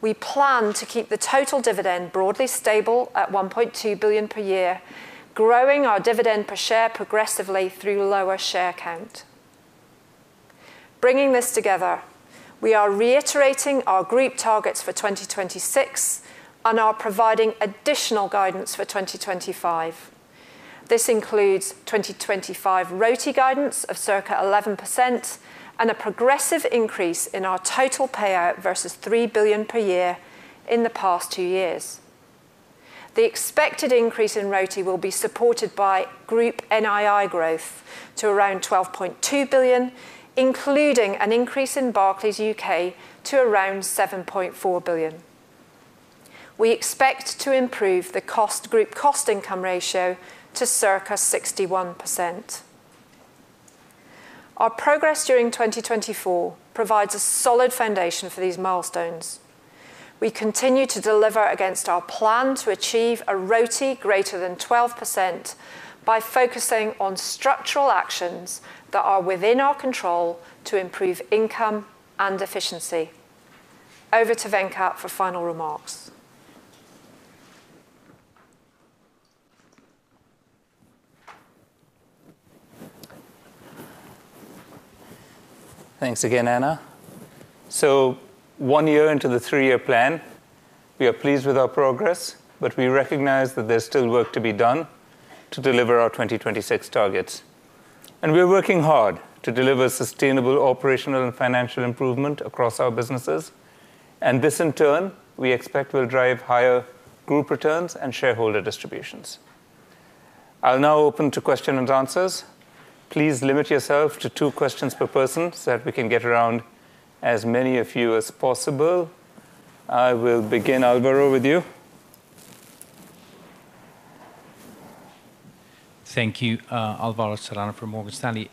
we plan to keep the total dividend broadly stable at 1.2 billion per year, growing our dividend per share progressively through lower share count. Bringing this together, we are reiterating our group targets for 2026 and are providing additional guidance for 2025. This includes 2025 RoTE guidance of circa 11% and a progressive increase in our total payout versus 3 billion per year in the past two years. The expected increase in RoTE will be supported by group NII growth to around 12.2 billion, including an increase in Barclays UK to around 7.4 billion. We expect to improve the group cost income ratio to circa 61%. Our progress during 2024 provides a solid foundation for these milestones. We continue to deliver against our plan to achieve a RoTE greater than 12% by focusing on structural actions that are within our control to improve income and efficiency. Over to Venkat for final remarks. Thanks again, Anna. So one year into the three-year plan, we are pleased with our progress, but we recognize that there's still work to be done to deliver our 2026 targets. And we're working hard to deliver sustainable operational and financial improvement across our businesses. And this, in turn, we expect will drive higher group returns and shareholder distributions. I'll now open to questions and answers. Please limit yourself to two questions per person so that we can get around as many of you as possible. I will begin Alvaro with you. Thank you, Alvaro Serrano from Morgan Stanley.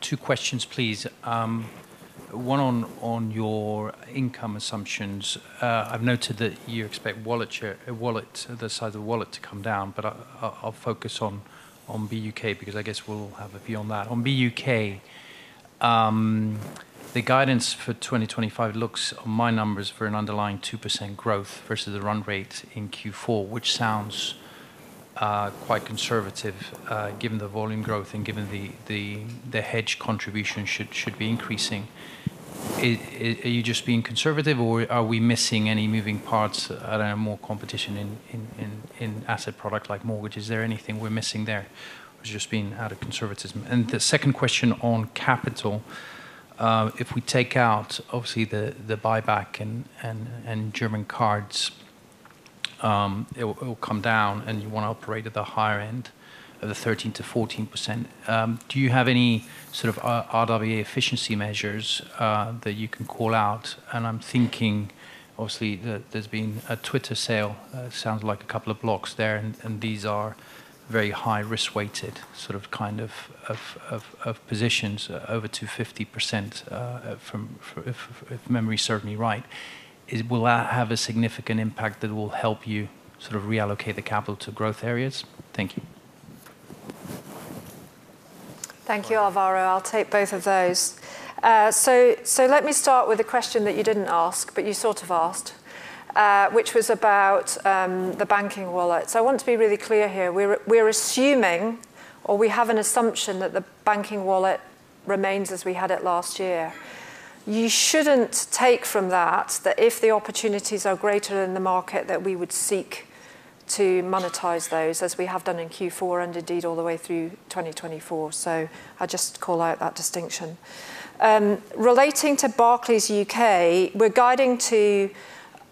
Two questions, please. One on your income assumptions. I've noted that you expect the size of the wallet to come down, but I'll focus on BUK because I guess we'll have a view on that. On BUK, the guidance for 2025 looks on my numbers for an underlying 2% growth versus the run rate in Q4, which sounds quite conservative given the volume growth and given the hedge contribution should be increasing. Are you just being conservative, or are we missing any moving parts? I don't know. More competition in asset product like mortgages. Is there anything we're missing there? We've just been out of conservatism. And the second question on capital, if we take out, obviously, the buyback and German cards, it will come down, and you want to operate at the higher end of the 13%-14%. Do you have any sort of RWA efficiency measures that you can call out? And I'm thinking, obviously, that there's been a Twitter sale. It sounds like a couple of blocks there, and these are very high-risk-weighted sort of kind of positions over 50%, if memory serves me right. Will that have a significant impact that will help you sort of reallocate the capital to growth areas? Thank you. Thank you, Alvaro. I'll take both of those. Let me start with a question that you didn't ask, but you sort of asked, which was about the banking wallet. I want to be really clear here. We're assuming, or we have an assumption, that the banking wallet remains as we had it last year. You shouldn't take from that that if the opportunities are greater than the market, that we would seek to monetize those, as we have done in Q4 and indeed all the way through 2024. I just call out that distinction. Relating to Barclays UK, we're guiding to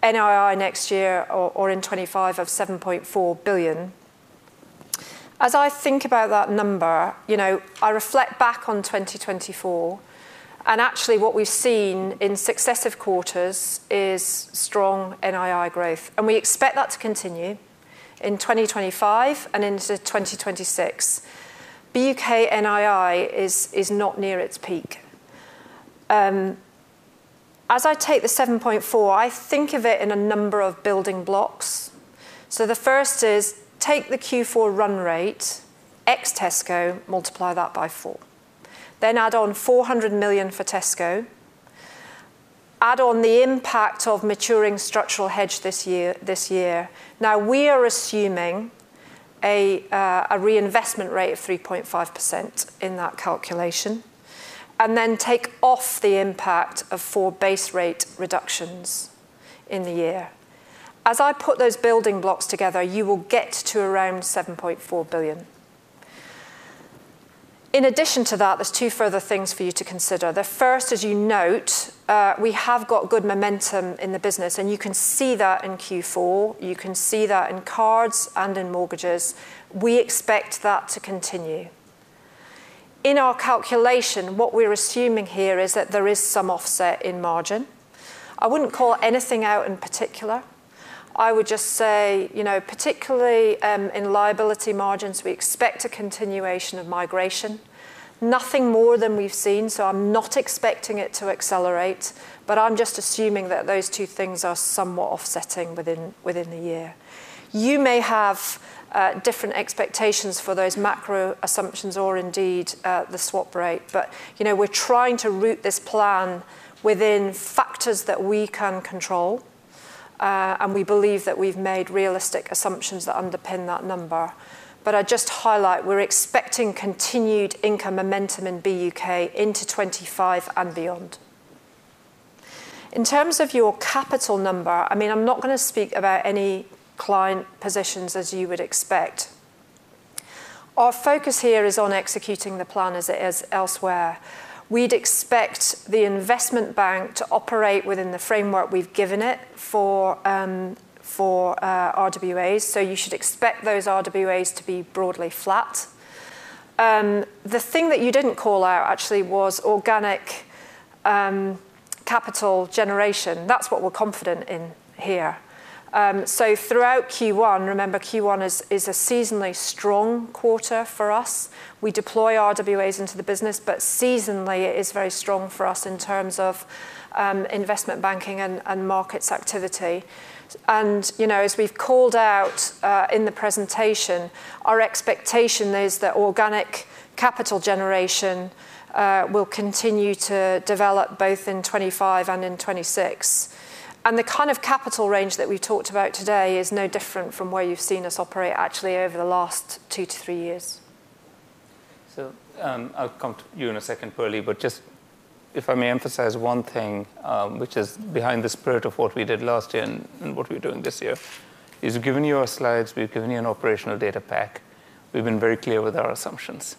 NII next year or in 2025 of 7.4 billion. As I think about that number, I reflect back on 2024. And actually, what we've seen in successive quarters is strong NII growth. And we expect that to continue in 2025 and into 2026. BUK NII is not near its peak. As I take the 7.4, I think of it in a number of building blocks. So the first is take the Q4 run rate, ex Tesco, multiply that by four. Then add on 400 million for Tesco. Add on the impact of maturing structural hedge this year. Now, we are assuming a reinvestment rate of 3.5% in that calculation. And then take off the impact of four base rate reductions in the year. As I put those building blocks together, you will get to around 7.4 billion. In addition to that, there's two further things for you to consider. The first, as you note, we have got good momentum in the business, and you can see that in Q4. You can see that in cards and in mortgages. We expect that to continue. In our calculation, what we're assuming here is that there is some offset in margin. I wouldn't call anything out in particular. I would just say, particularly in liability margins, we expect a continuation of migration. Nothing more than we've seen, so I'm not expecting it to accelerate. But I'm just assuming that those two things are somewhat offsetting within the year. You may have different expectations for those macro assumptions or indeed the swap rate, but we're trying to root this plan within factors that we can control, and we believe that we've made realistic assumptions that underpin that number. But I just highlight we're expecting continued income momentum in BUK into 2025 and beyond. In terms of your capital number, I mean, I'm not going to speak about any client positions, as you would expect. Our focus here is on executing the plan as it is elsewhere. We'd expect the Investment Bank to operate within the framework we've given it for RWAs. So you should expect those RWAs to be broadly flat. The thing that you didn't call out, actually, was organic capital generation. That's what we're confident in here. So throughout Q1, remember, Q1 is a seasonally strong quarter for us. We deploy RWAs into the business, but seasonally, it is very strong for us in terms of Investment Banking and markets activity. And as we've called out in the presentation, our expectation is that organic capital generation will continue to develop both in 2025 and in 2026. The kind of capital range that we've talked about today is no different from where you've seen us operate, actually, over the last two to three years. So I'll come to you in a second, Perlie, but just if I may emphasize one thing, which is behind the spirit of what we did last year and what we're doing this year, is given your slides, we've given you an operational data pack. We've been very clear with our assumptions.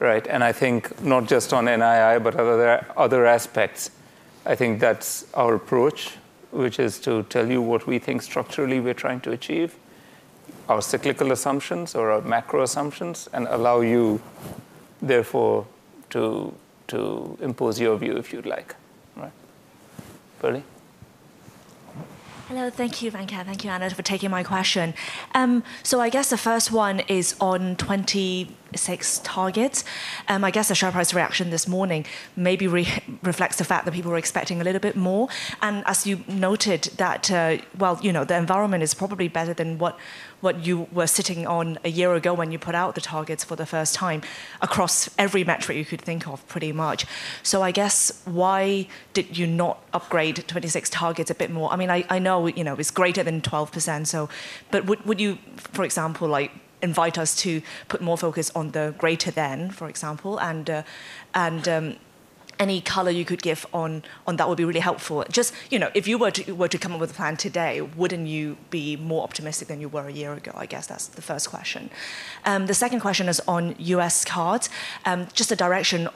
And I think not just on NII, but other aspects, I think that's our approach, which is to tell you what we think structurally we're trying to achieve, our cyclical assumptions or our macro assumptions, and allow you, therefore, to impose your view, if you'd like. Perlie? Hello. Thank you, Venkat. Thank you, Anna, for taking my question. So I guess the first one is on 2026 targets. I guess the share price reaction this morning maybe reflects the fact that people were expecting a little bit more. And as you noted, well, the environment is probably better than what you were sitting on a year ago when you put out the targets for the first time across every metric you could think of, pretty much. So I guess why did you not upgrade 26 targets a bit more? I mean, I know it's greater than 12%, but would you, for example, invite us to put more focus on the greater than, for example? And any color you could give on that would be really helpful. Just if you were to come up with a plan today, wouldn't you be more optimistic than you were a year ago? I guess that's the first question. The second question is on US cards, just the direction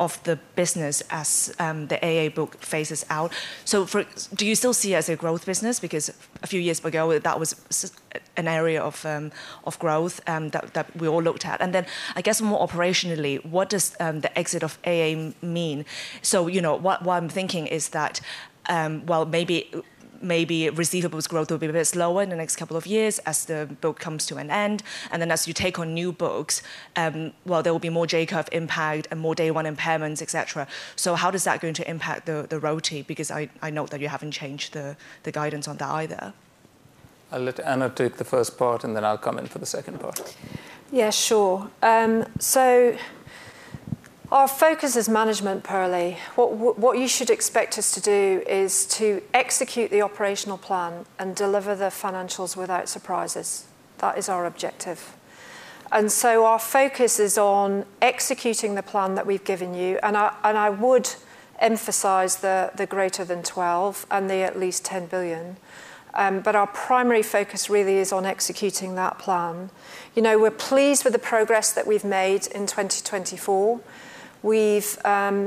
of the business as the AA book phases out. So do you still see it as a growth business? Because a few years ago, that was an area of growth that we all looked at. And then I guess more operationally, what does the exit of AA mean? So what I'm thinking is that, well, maybe receivables growth will be a bit slower in the next couple of years as the book comes to an end. And then as you take on new books, well, there will be more J-curve impact and more Day 1 impairments, etc. So how is that going to impact the RoTE? Because I note that you haven't changed the guidance on that either. I'll let Anna take the first part, and then I'll come in for the second part. Yeah, sure. So our focus is management, Perlie. What you should expect us to do is to execute the operational plan and deliver the financials without surprises. That is our objective. And so our focus is on executing the plan that we've given you. And I would emphasize the greater than 12 and the at least 10 billion. But our primary focus really is on executing that plan. We're pleased with the progress that we've made in 2024. We've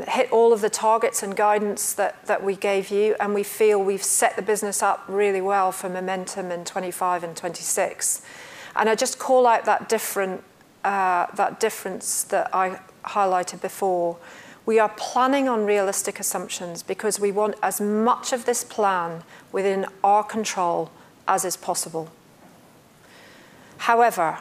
hit all of the targets and guidance that we gave you, and we feel we've set the business up really well for momentum in 2025 and 2026. And I just call out that difference that I highlighted before. We are planning on realistic assumptions because we want as much of this plan within our control as is possible. However,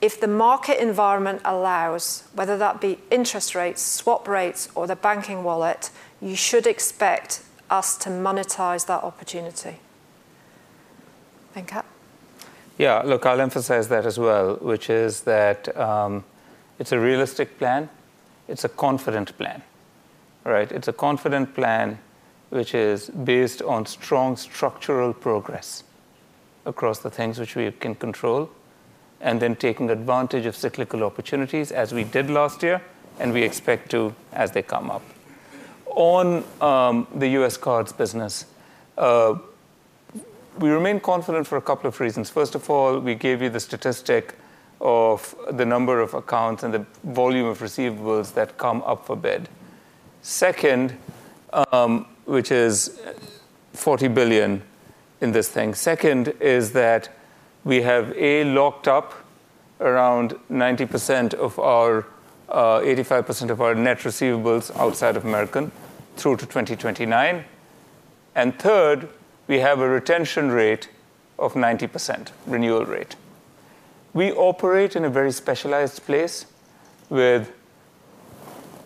if the market environment allows, whether that be interest rates, swap rates, or the banking wallet, you should expect us to monetize that opportunity. Venkat? Yeah, look, I'll emphasize that as well, which is that it's a realistic plan. It's a confident plan. It's a confident plan which is based on strong structural progress across the things which we can control, and then taking advantage of cyclical opportunities, as we did last year, and we expect to as they come up. On the US cards business, we remain confident for a couple of reasons. First of all, we gave you the statistic of the number of accounts and the volume of receivables that come up for bid. Second, which is $40 billion in this thing, second is that we have a locked up around 90% of our 85% of our net receivables outside of American through to 2029. Third, we have a retention rate of 90% renewal rate. We operate in a very specialized place with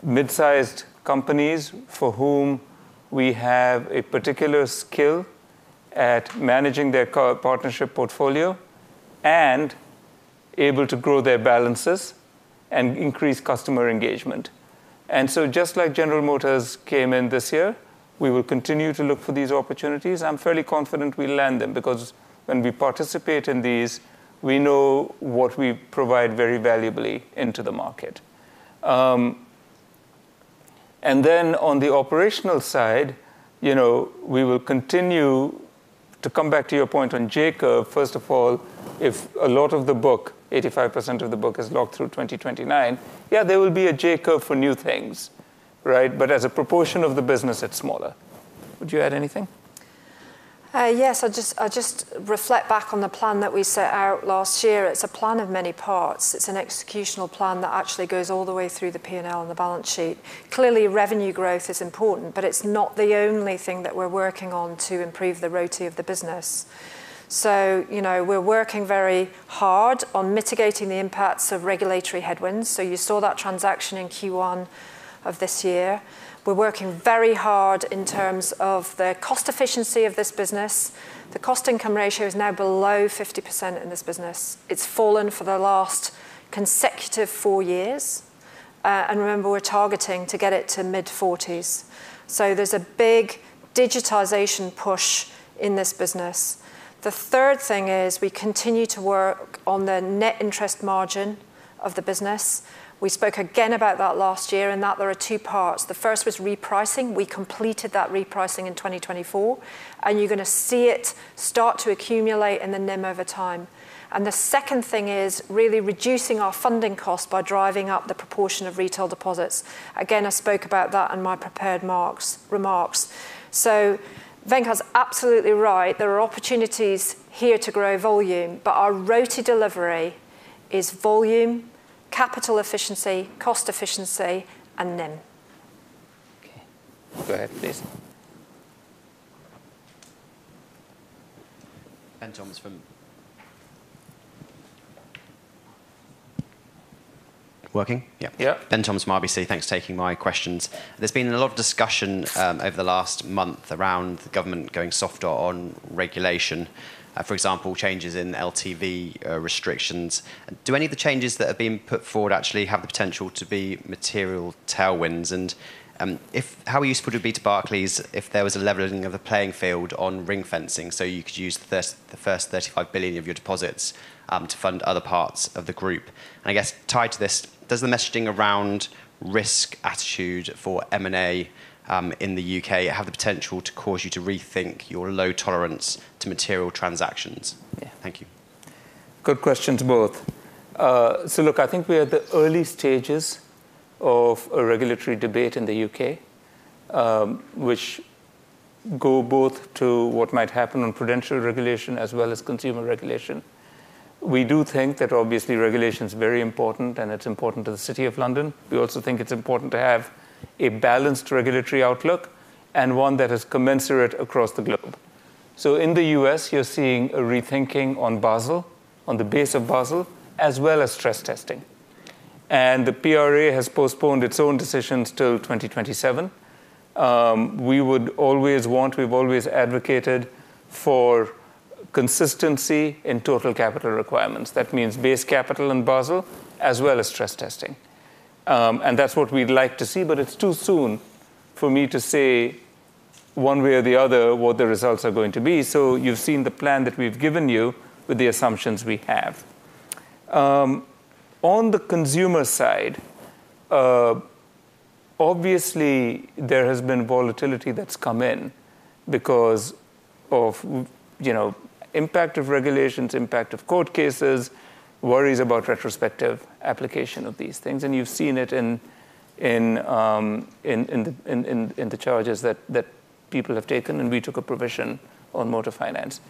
mid-sized companies for whom we have a particular skill at managing their partnership portfolio and able to grow their balances and increase customer engagement. And so just like General Motors came in this year, we will continue to look for these opportunities. I'm fairly confident we'll land them because when we participate in these, we know what we provide very valuably into the market. And then on the operational side, we will continue to come back to your point on J-curve. First of all, if a lot of the book, 85% of the book, is locked through 2029, yeah, there will be a J-curve for new things. But as a proportion of the business, it's smaller. Would you add anything? Yes, I'll just reflect back on the plan that we set out last year. It's a plan of many parts. It's an executional plan that actually goes all the way through the P&L and the balance sheet. Clearly, revenue growth is important, but it's not the only thing that we're working on to improve the RoTE of the business. So we're working very hard on mitigating the impacts of regulatory headwinds. So you saw that transaction in Q1 of this year. We're working very hard in terms of the cost efficiency of this business. The cost income ratio is now below 50% in this business. It's fallen for the last consecutive four years. And remember, we're targeting to get it to mid-40s%. So there's a big digitization push in this business. The third thing is we continue to work on the net interest margin of the business. We spoke again about that last year in that there are two parts. The first was repricing. We completed that repricing in 2024, and you're going to see it start to accumulate in the NIM over time. And the second thing is really reducing our funding costs by driving up the proportion of retail deposits. Again, I spoke about that in my prepared remarks. So Venkat's absolutely right. There are opportunities here to grow volume, but our RoTE delivery is volume, capital efficiency, cost efficiency, and NIM. Okay. Go ahead, please. Ben Thomas from RBC? Yeah. Ben Thomas from RBC. Thanks for taking my questions. There's been a lot of discussion over the last month around the government going softer on regulation. For example, changes in LTV restrictions. Do any of the changes that are being put forward actually have the potential to be material tailwinds? And how useful would it be to Barclays if there was a leveling of the playing field on ring fencing so you could use the first 35 billion of your deposits to fund other parts of the group? And I guess tied to this, does the messaging around risk attitude for M&A in the U.K. have the potential to cause you to rethink your low tolerance to material transactions? Yeah. Thank you. Good question to both. So look, I think we are at the early stages of a regulatory debate in the U.K., which go both to what might happen on prudential regulation as well as consumer regulation. We do think that, obviously, regulation is very important, and it's important to the City of London. We also think it's important to have a balanced regulatory outlook and one that is commensurate across the globe. In the US, you're seeing a rethinking on Basel, on the basis of Basel, as well as stress testing. The PRA has postponed its own decisions till 2027. We've always advocated for consistency in total capital requirements. That means base capital in Basel as well as stress testing. That's what we'd like to see. But it's too soon for me to say one way or the other what the results are going to be. You've seen the plan that we've given you with the assumptions we have. On the consumer side, obviously, there has been volatility that's come in because of impact of regulations, impact of court cases, worries about retrospective application of these things. You've seen it in the charges that people have taken, and we took a provision on motor finance.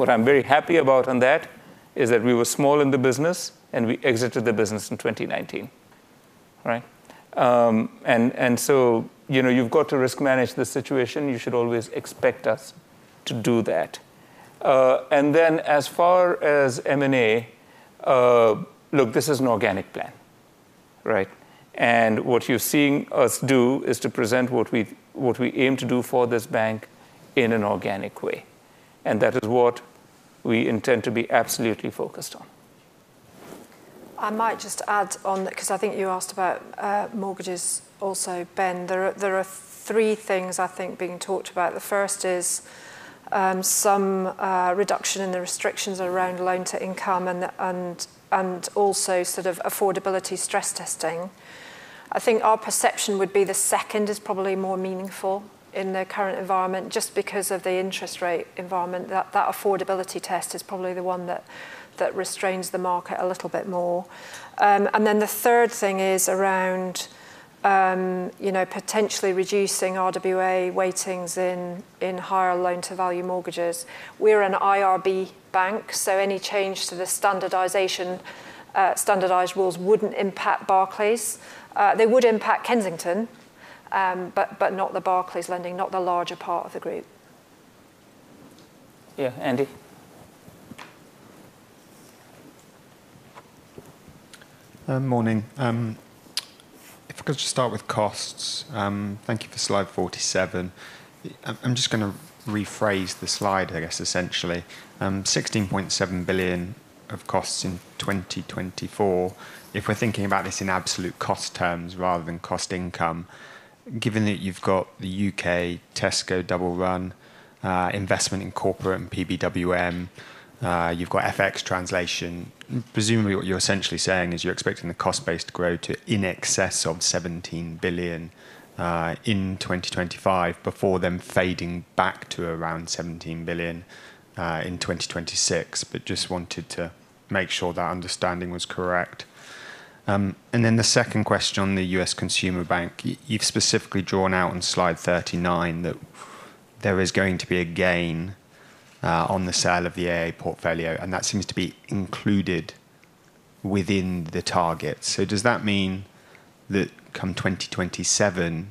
What I'm very happy about on that is that we were small in the business, and we exited the business in 2019. And so you've got to risk manage the situation. You should always expect us to do that. And then as far as M&A, look, this is an organic plan. And what you're seeing us do is to present what we aim to do for this bank in an organic way. And that is what we intend to be absolutely focused on. I might just add on because I think you asked about mortgages also, Ben. There are three things, I think, being talked about. The first is some reduction in the restrictions around loan to income and also sort of affordability stress testing. I think our perception would be the second is probably more meaningful in the current environment, just because of the interest rate environment. That affordability test is probably the one that restrains the market a little bit more. And then the third thing is around potentially reducing RWA weightings in higher loan-to-value mortgages. We're an IRB bank, so any change to the standardized rules wouldn't impact Barclays. They would impact Kensington, but not the Barclays lending, not the larger part of the group. Yeah, Andy? Morning. If I could just start with costs. Thank you for slide 47. I'm just going to rephrase the slide, I guess, essentially. 16.7 billion of costs in 2024. If we're thinking about this in absolute cost terms rather than cost income, given that you've got the UK Tesco double run, investment in corporate and PBWM, you've got FX translation. Presumably, what you're essentially saying is you're expecting the cost-based growth to in excess of 17 billion in 2025 before then fading back to around 17 billion in 2026. But just wanted to make sure that understanding was correct, and then the second question on the US Consumer Bank, you've specifically drawn out on slide 39 that there is going to be a gain on the sale of the AA portfolio, and that seems to be included within the targets, so does that mean that come 2027,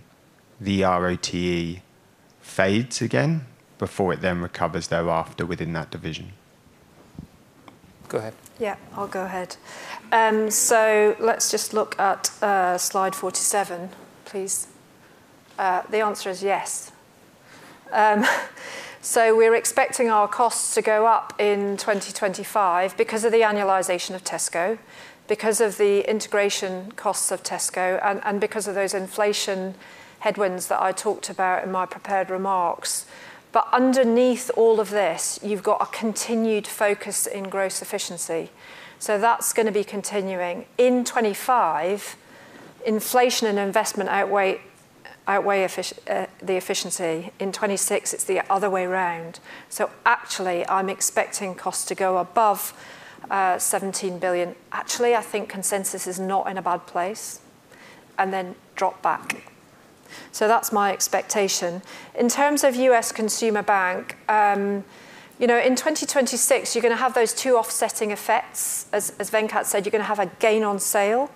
the RoTE fades again before it then recovers thereafter within that division? Go ahead. Yeah, I'll go ahead. So let's just look at slide 47, please. The answer is yes. So we're expecting our costs to go up in 2025 because of the annualization of Tesco, because of the integration costs of Tesco, and because of those inflation headwinds that I talked about in my prepared remarks. But underneath all of this, you've got a continued focus in gross efficiency. So that's going to be continuing. In 2025, inflation and investment outweigh the efficiency. In 2026, it's the other way around. So actually, I'm expecting costs to go above 17 billion. Actually, I think consensus is not in a bad place. And then drop back. So that's my expectation. In terms of US Consumer Bank, in 2026, you're going to have those two offsetting effects. As Venkat said, you're going to have a gain on sale,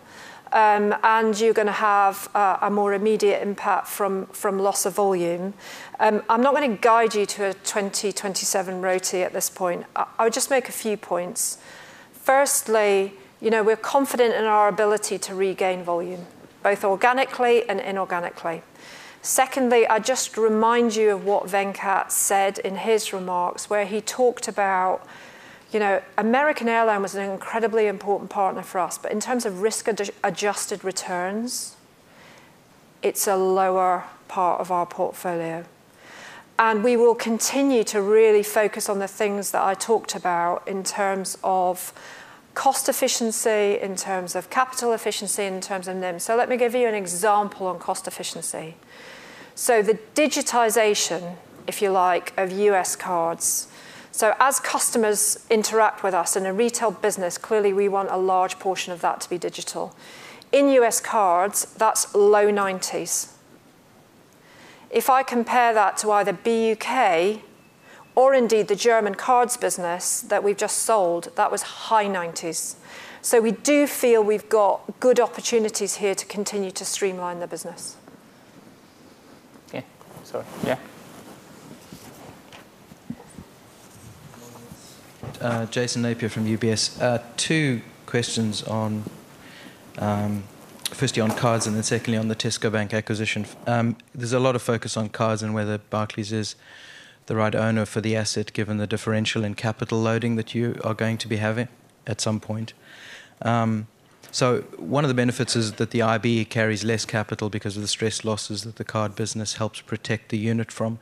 and you're going to have a more immediate impact from loss of volume. I'm not going to guide you to a 2027 RoTE at this point. I would just make a few points. Firstly, we're confident in our ability to regain volume, both organically and inorganically. Secondly, I just remind you of what Venkat said in his remarks where he talked about American Airlines was an incredibly important partner for us, but in terms of risk-adjusted returns, it's a lower part of our portfolio, and we will continue to really focus on the things that I talked about in terms of cost efficiency, in terms of capital efficiency, in terms of NIM, so let me give you an example on cost efficiency, so the digitization, if you like, of U.S. cards, so as customers interact with us in a retail business, clearly, we want a large portion of that to be digital. In U.S. cards, that's low 90s. If I compare that to either BUK or indeed the German cards business that we've just sold, that was high 90s. So we do feel we've got good opportunities here to continue to streamline the business. Yeah. Sorry. Yeah. Jason Napier from UBS. Two questions on firstly on cards and then secondly on the Tesco Bank acquisition. There's a lot of focus on cards and whether Barclays is the right owner for the asset given the differential in capital loading that you are going to be having at some point. So one of the benefits is that the IB carries less capital because of the stress losses that the card business helps protect the unit from.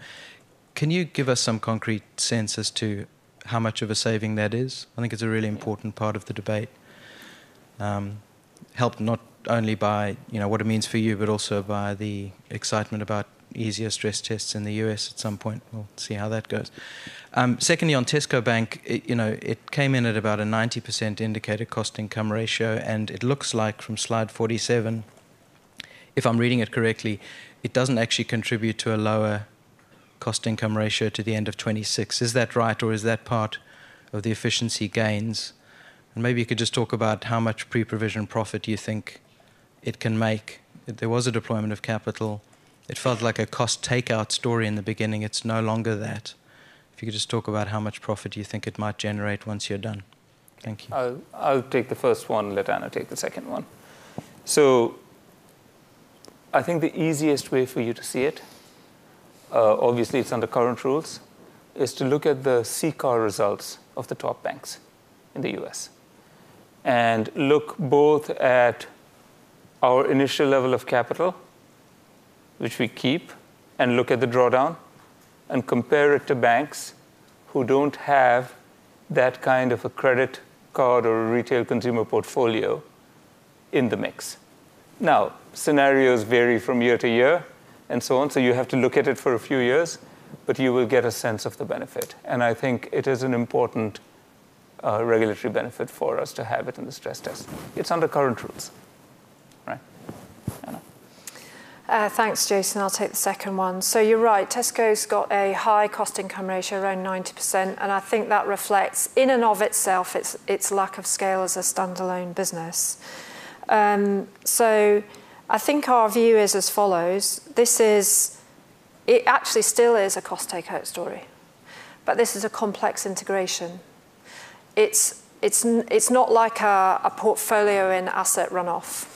Can you give us some concrete sense as to how much of a saving that is? I think it's a really important part of the debate. Helped not only by what it means for you, but also by the excitement about easier stress tests in the U.S. at some point. We'll see how that goes. Secondly, on Tesco Bank, it came in at about a 90% indicator cost income ratio. And it looks like from slide 47, if I'm reading it correctly, it doesn't actually contribute to a lower cost income ratio to the end of 2026. Is that right, or is that part of the efficiency gains? And maybe you could just talk about how much pre-provision profit you think it can make. There was a deployment of capital. It felt like a cost takeout story in the beginning. It's no longer that. If you could just talk about how much profit you think it might generate once you're done. Thank you. I'll take the first one. Let Anna take the second one. I think the easiest way for you to see it, obviously, it's under current rules, is to look at the CCAR results of the top banks in the U.S. and look both at our initial level of capital, which we keep, and look at the drawdown and compare it to banks who don't have that kind of a credit card or a retail consumer portfolio in the mix. Now, scenarios vary from year-to-year and so on, so you have to look at it for a few years, but you will get a sense of the benefit. I think it is an important regulatory benefit for us to have it in the stress test. It's under current rules. Right? Anna. Thanks, Jason. I'll take the second one. You're right. Tesco's got a high cost income ratio, around 90%. And I think that reflects in and of itself its lack of scale as a standalone business. So I think our view is as follows. It actually still is a cost takeout story, but this is a complex integration. It's not like a portfolio in asset runoff.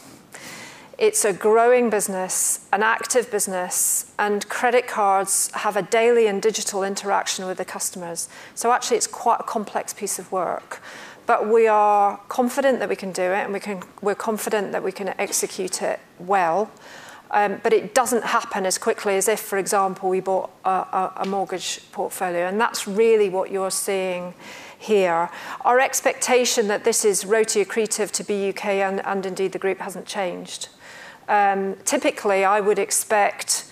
It's a growing business, an active business, and credit cards have a daily and digital interaction with the customers. So actually, it's quite a complex piece of work. But we are confident that we can do it, and we're confident that we can execute it well. But it doesn't happen as quickly as if, for example, we bought a mortgage portfolio. And that's really what you're seeing here. Our expectation that this is RoTE accretive to BUK and indeed the group hasn't changed. Typically, I would expect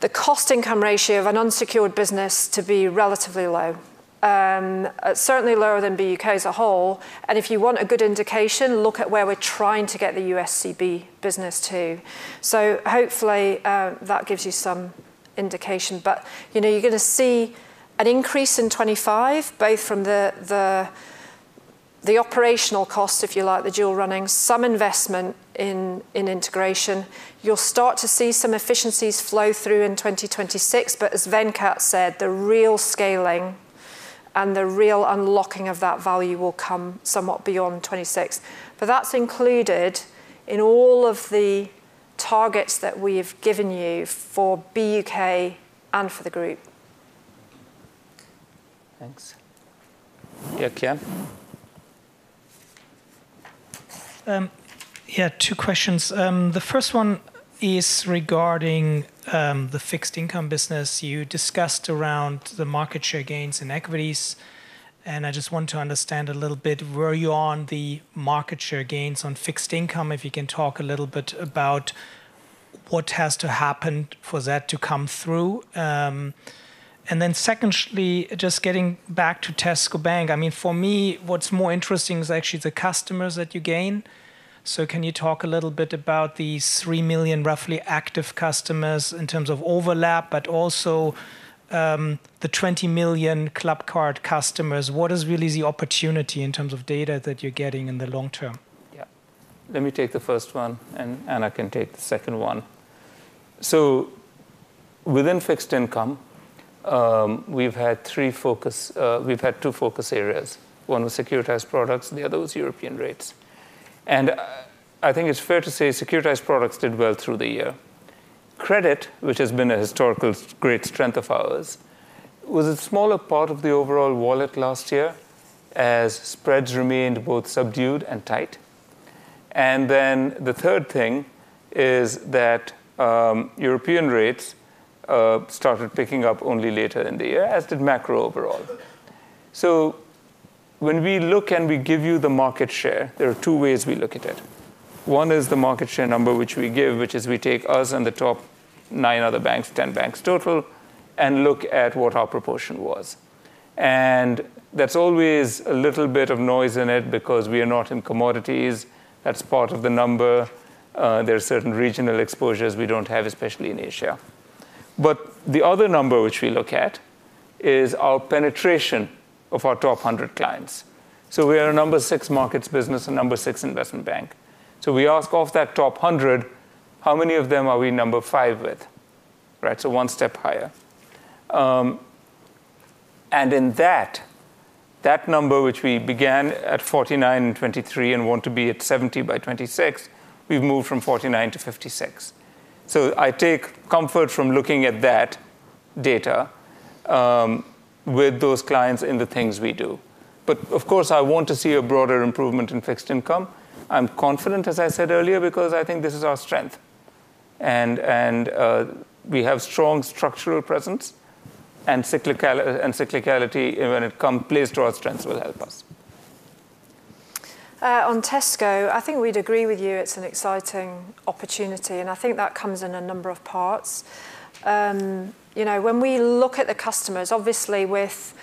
the cost income ratio of an unsecured business to be relatively low, certainly lower than BUK as a whole, and if you want a good indication, look at where we're trying to get the USCB business to, so hopefully, that gives you some indication, but you're going to see an increase in 2025, both from the operational cost, if you like, the dual running, some investment in integration. You'll start to see some efficiencies flow through in 2026, but as Venkat said, the real scaling and the real unlocking of that value will come somewhat beyond 2026, but that's included in all of the targets that we have given you for BUK and for the group. Thanks. Yeah, Kian. Yeah, two questions. The first one is regarding the fixed income business. You discussed around the market share gains in equities. I just want to understand a little bit. Were you on the market share gains on fixed income? If you can talk a little bit about what has to happen for that to come through. And then secondly, just getting back to Tesco Bank, I mean, for me, what's more interesting is actually the customers that you gain. So can you talk a little bit about the 3 million, roughly, active customers in terms of overlap, but also the 20 million Clubcard customers? What is really the opportunity in terms of data that you're getting in the long term? Yeah. Let me take the first one, and Anna can take the second one. So within fixed income, we've had two focus areas. One was securitized products. The other was European rates. And I think it's fair to say securitized products did well through the year. Credit, which has been a historical great strength of ours, was a smaller part of the overall wallet last year as spreads remained both subdued and tight. And then the third thing is that European rates started picking up only later in the year, as did macro overall. So when we look and we give you the market share, there are two ways we look at it. One is the market share number, which we give, which is we take us and the top nine other banks, 10 banks total, and look at what our proportion was. And that's always a little bit of noise in it because we are not in commodities. That's part of the number. There are certain regional exposures we don't have, especially in Asia. But the other number, which we look at, is our penetration of our top 100 clients. So we are a number six markets business, a number six Investment Bank. So we rank in that top 100, how many of them are we number five with? Right? So one step higher. And in that number, which we began at 49 in 2023 and want to be at 70 by 2026, we've moved from 49 to 56. So I take comfort from looking at that data with those clients in the things we do. But of course, I want to see a broader improvement in fixed income. I'm confident, as I said earlier, because I think this is our strength. And we have strong structural presence, and cyclicality when it comes into play to our strengths will help us. On Tesco, I think we'd agree with you. It's an exciting opportunity, and I think that comes in a number of parts. When we look at the customers, obviously, with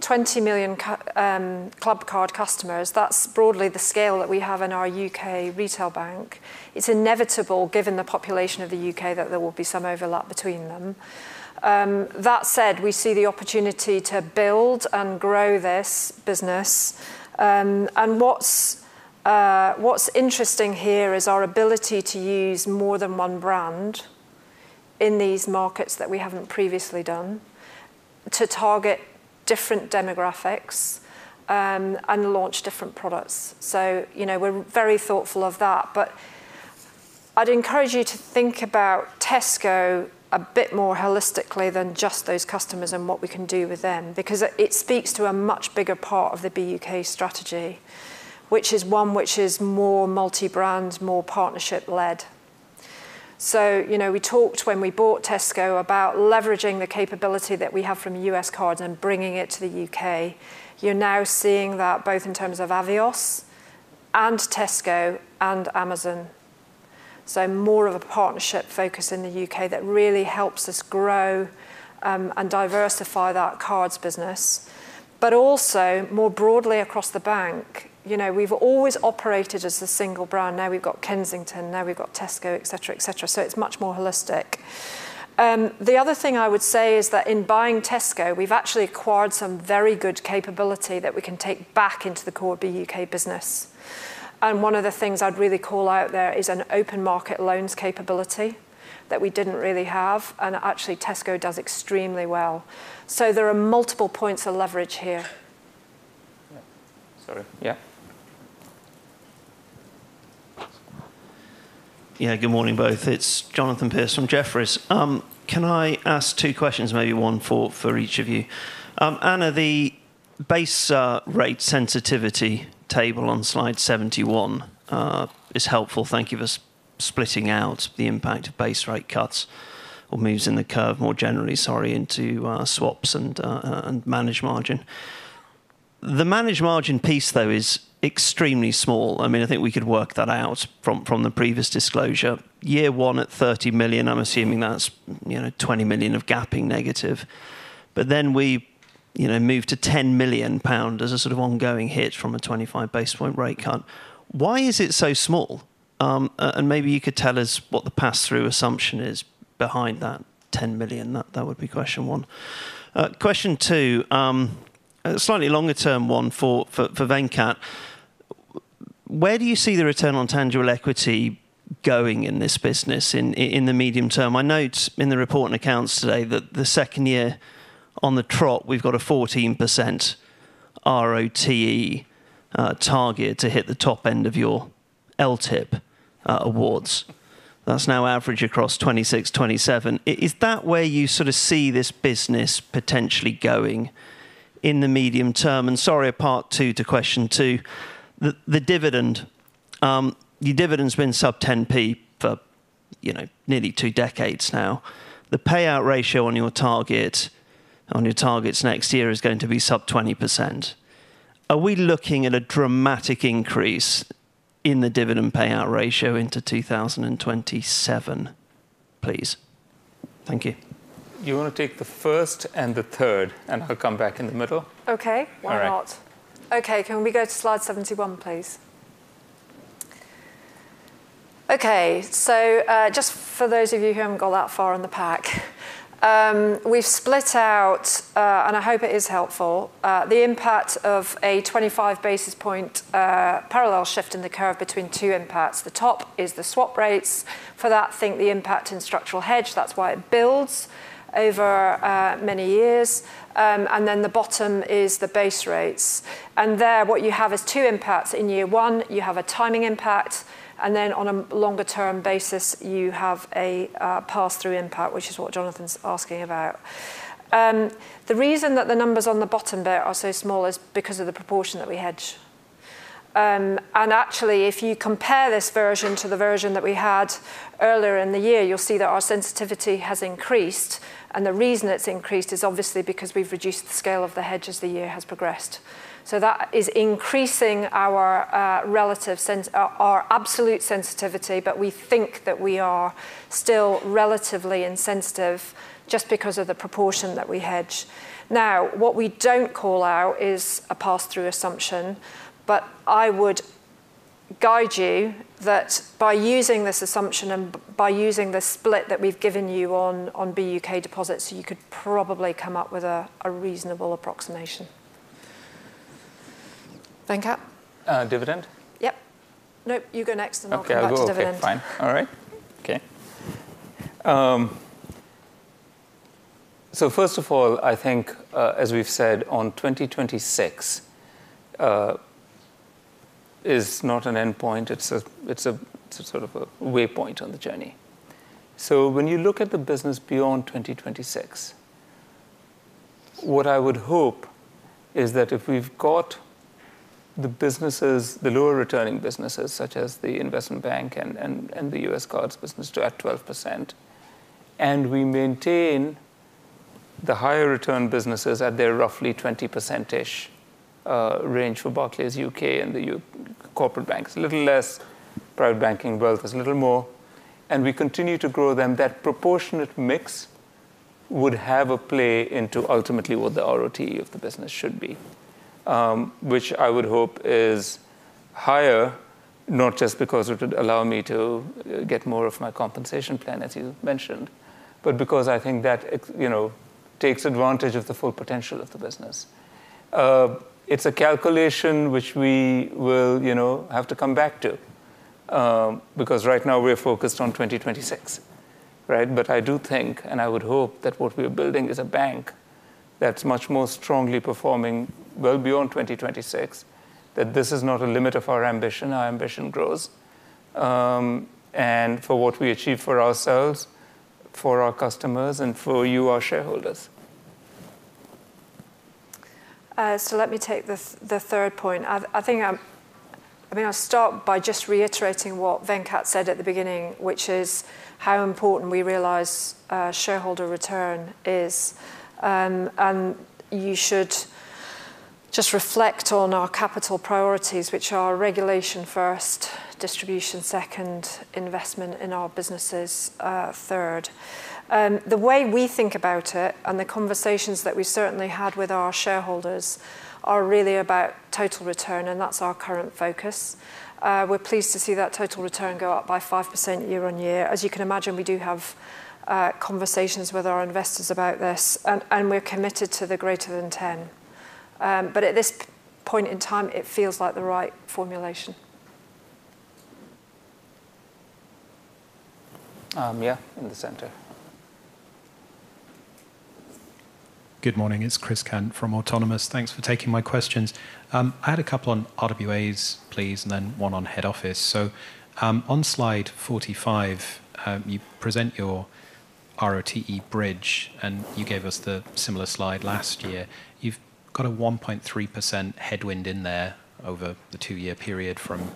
20 million Clubcard customers, that's broadly the scale that we have in our U.K. retail bank. It's inevitable, given the population of the U.K., that there will be some overlap between them. That said, we see the opportunity to build and grow this business, and what's interesting here is our ability to use more than one brand in these markets that we haven't previously done to target different demographics and launch different products, so we're very thoughtful of that, but I'd encourage you to think about Tesco a bit more holistically than just those customers and what we can do with them because it speaks to a much bigger part of the BUK strategy, which is one which is more multi-brand, more partnership-led. So we talked when we bought Tesco about leveraging the capability that we have from US cards and bringing it to the UK. You're now seeing that both in terms of Avios and Tesco and Amazon. So more of a partnership focus in the UK that really helps us grow and diversify that cards business, but also more broadly across the bank. We've always operated as a single brand. Now we've got Kensington. Now we've got Tesco, et cetera, et cetera. So it's much more holistic. The other thing I would say is that in buying Tesco, we've actually acquired some very good capability that we can take back into the core BUK business. And one of the things I'd really call out there is an open market loans capability that we didn't really have. And actually, Tesco does extremely well. So there are multiple points of leverage here. Yeah. Sorry. Yeah. Yeah. Good morning, both. It's Jonathan Pierce from Jefferies. Can I ask two questions, maybe one for each of you? Anna, the base rate sensitivity table on slide 71 is helpful. Thank you for splitting out the impact of base rate cuts or moves in the curve more generally, sorry, into swaps and managed margin. The managed margin piece, though, is extremely small. I mean, I think we could work that out from the previous disclosure. Year one at 30 million, I'm assuming that's 20 million of gapping negative. But then we moved to 10 million pound as a sort of ongoing hit from a 25 basis point rate cut. Why is it so small? And maybe you could tell us what the pass-through assumption is behind that 10 million. That would be question one. Question two, a slightly longer-term one for Venkat. Where do you see the return on tangible equity going in this business in the medium term? I note in the report and accounts today that the second year on the trot, we've got a 14% RoTE target to hit the top end of your LTIP awards. That's now average across 2026, 2027. Is that where you sort of see this business potentially going in the medium term? And sorry, a part two to question two. The dividend, your dividend's been sub 10p for nearly two decades now. The payout ratio on your targets next year is going to be sub 20%. Are we looking at a dramatic increase in the dividend payout ratio into 2027, please? Thank you. You want to take the first and the third, and I'll come back in the middle. Okay. Why not? Okay. Can we go to slide 71, please? Okay. So, just for those of you who haven't got that far on the pack, we've split out, and I hope it is helpful, the impact of a 25 basis point parallel shift in the curve between two impacts. The top is the swap rates. For that, I think the impact in structural hedge; that's why it builds over many years. Then the bottom is the base rates. And there what you have is two impacts. In year one, you have a timing impact. Then on a longer-term basis, you have a pass-through impact, which is what Jonathan's asking about. The reason that the numbers on the bottom bit are so small is because of the proportion that we hedge. And actually, if you compare this version to the version that we had earlier in the year, you'll see that our sensitivity has increased. And the reason it's increased is obviously because we've reduced the scale of the hedge as the year has progressed. So that is increasing our absolute sensitivity, but we think that we are still relatively insensitive just because of the proportion that we hedge. Now, what we don't call out is a pass-through assumption, but I would guide you that by using this assumption and by using the split that we've given you on BUK deposits, you could probably come up with a reasonable approximation. Venkat? Dividend? Yep. No, you go next. I'll go after dividend. Okay. I'll go next. Fine. All right. Okay. So first of all, I think, as we've said, 2026 is not an endpoint. It's sort of a waypoint on the journey. So when you look at the business beyond 2026, what I would hope is that if we've got the lower-returning businesses, such as the Investment Bank and the US cards business, to at 12%, and we maintain the higher-return businesses at their roughly 20%-ish range for Barclays UK and the Corporate Banks, a little less private banking, both a little more, and we continue to grow them, that proportionate mix would have a play into ultimately what the RoTE of the business should be, which I would hope is higher, not just because it would allow me to get more of my compensation plan, as you mentioned, but because I think that takes advantage of the full potential of the business. It's a calculation which we will have to come back to because right now we're focused on 2026. Right? But I do think, and I would hope that what we are building is a bank that's much more strongly performing well beyond 2026, that this is not a limit of our ambition. Our ambition grows for what we achieve for ourselves, for our customers, and for you, our shareholders. So let me take the third point. I think I'm going to start by just reiterating what Venkat said at the beginning, which is how important we realize shareholder return is. And you should just reflect on our capital priorities, which are regulation first, distribution second, investment in our businesses third. The way we think about it and the conversations that we've certainly had with our shareholders are really about total return, and that's our current focus. We're pleased to see that total return go up by 5% year-on-year. As you can imagine, we do have conversations with our investors about this, and we're committed to the greater than 10. But at this point in time, it feels like the right formulation. Yeah, in the center. Good morning. It's Chris Cant from Autonomous. Thanks for taking my questions. I had a couple on RWAs, please, and then one on Head Office. So on slide 45, you present your RoTE bridge, and you gave us the similar slide last year. You've got a 1.3% headwind in there over the two-year period from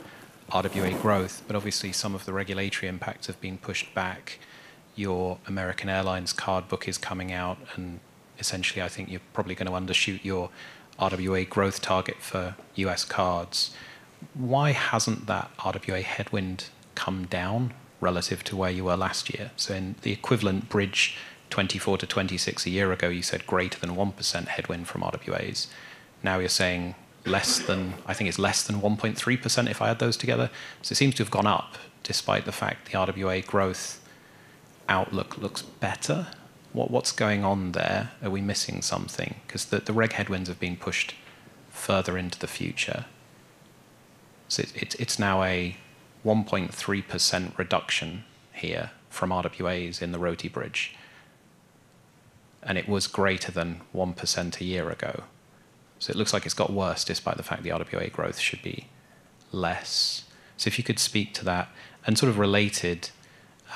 RWA growth, but obviously, some of the regulatory impacts have been pushed back. Your American Airlines card book is coming out, and essentially, I think you're probably going to undershoot your RWA growth target for US cards. Why hasn't that RWA headwind come down relative to where you were last year? So in the equivalent bridge 24 to 26 a year ago, you said greater than 1% headwind from RWAs. Now you're saying less than I think it's less than 1.3% if I add those together. It seems to have gone up despite the fact the RWA growth outlook looks better. What's going on there? Are we missing something? Because the reg headwinds have been pushed further into the future. It's now a 1.3% reduction here from RWAs in the RoTE bridge, and it was greater than 1% a year ago. It looks like it's got worse despite the fact the RWA growth should be less. If you could speak to that and sort of related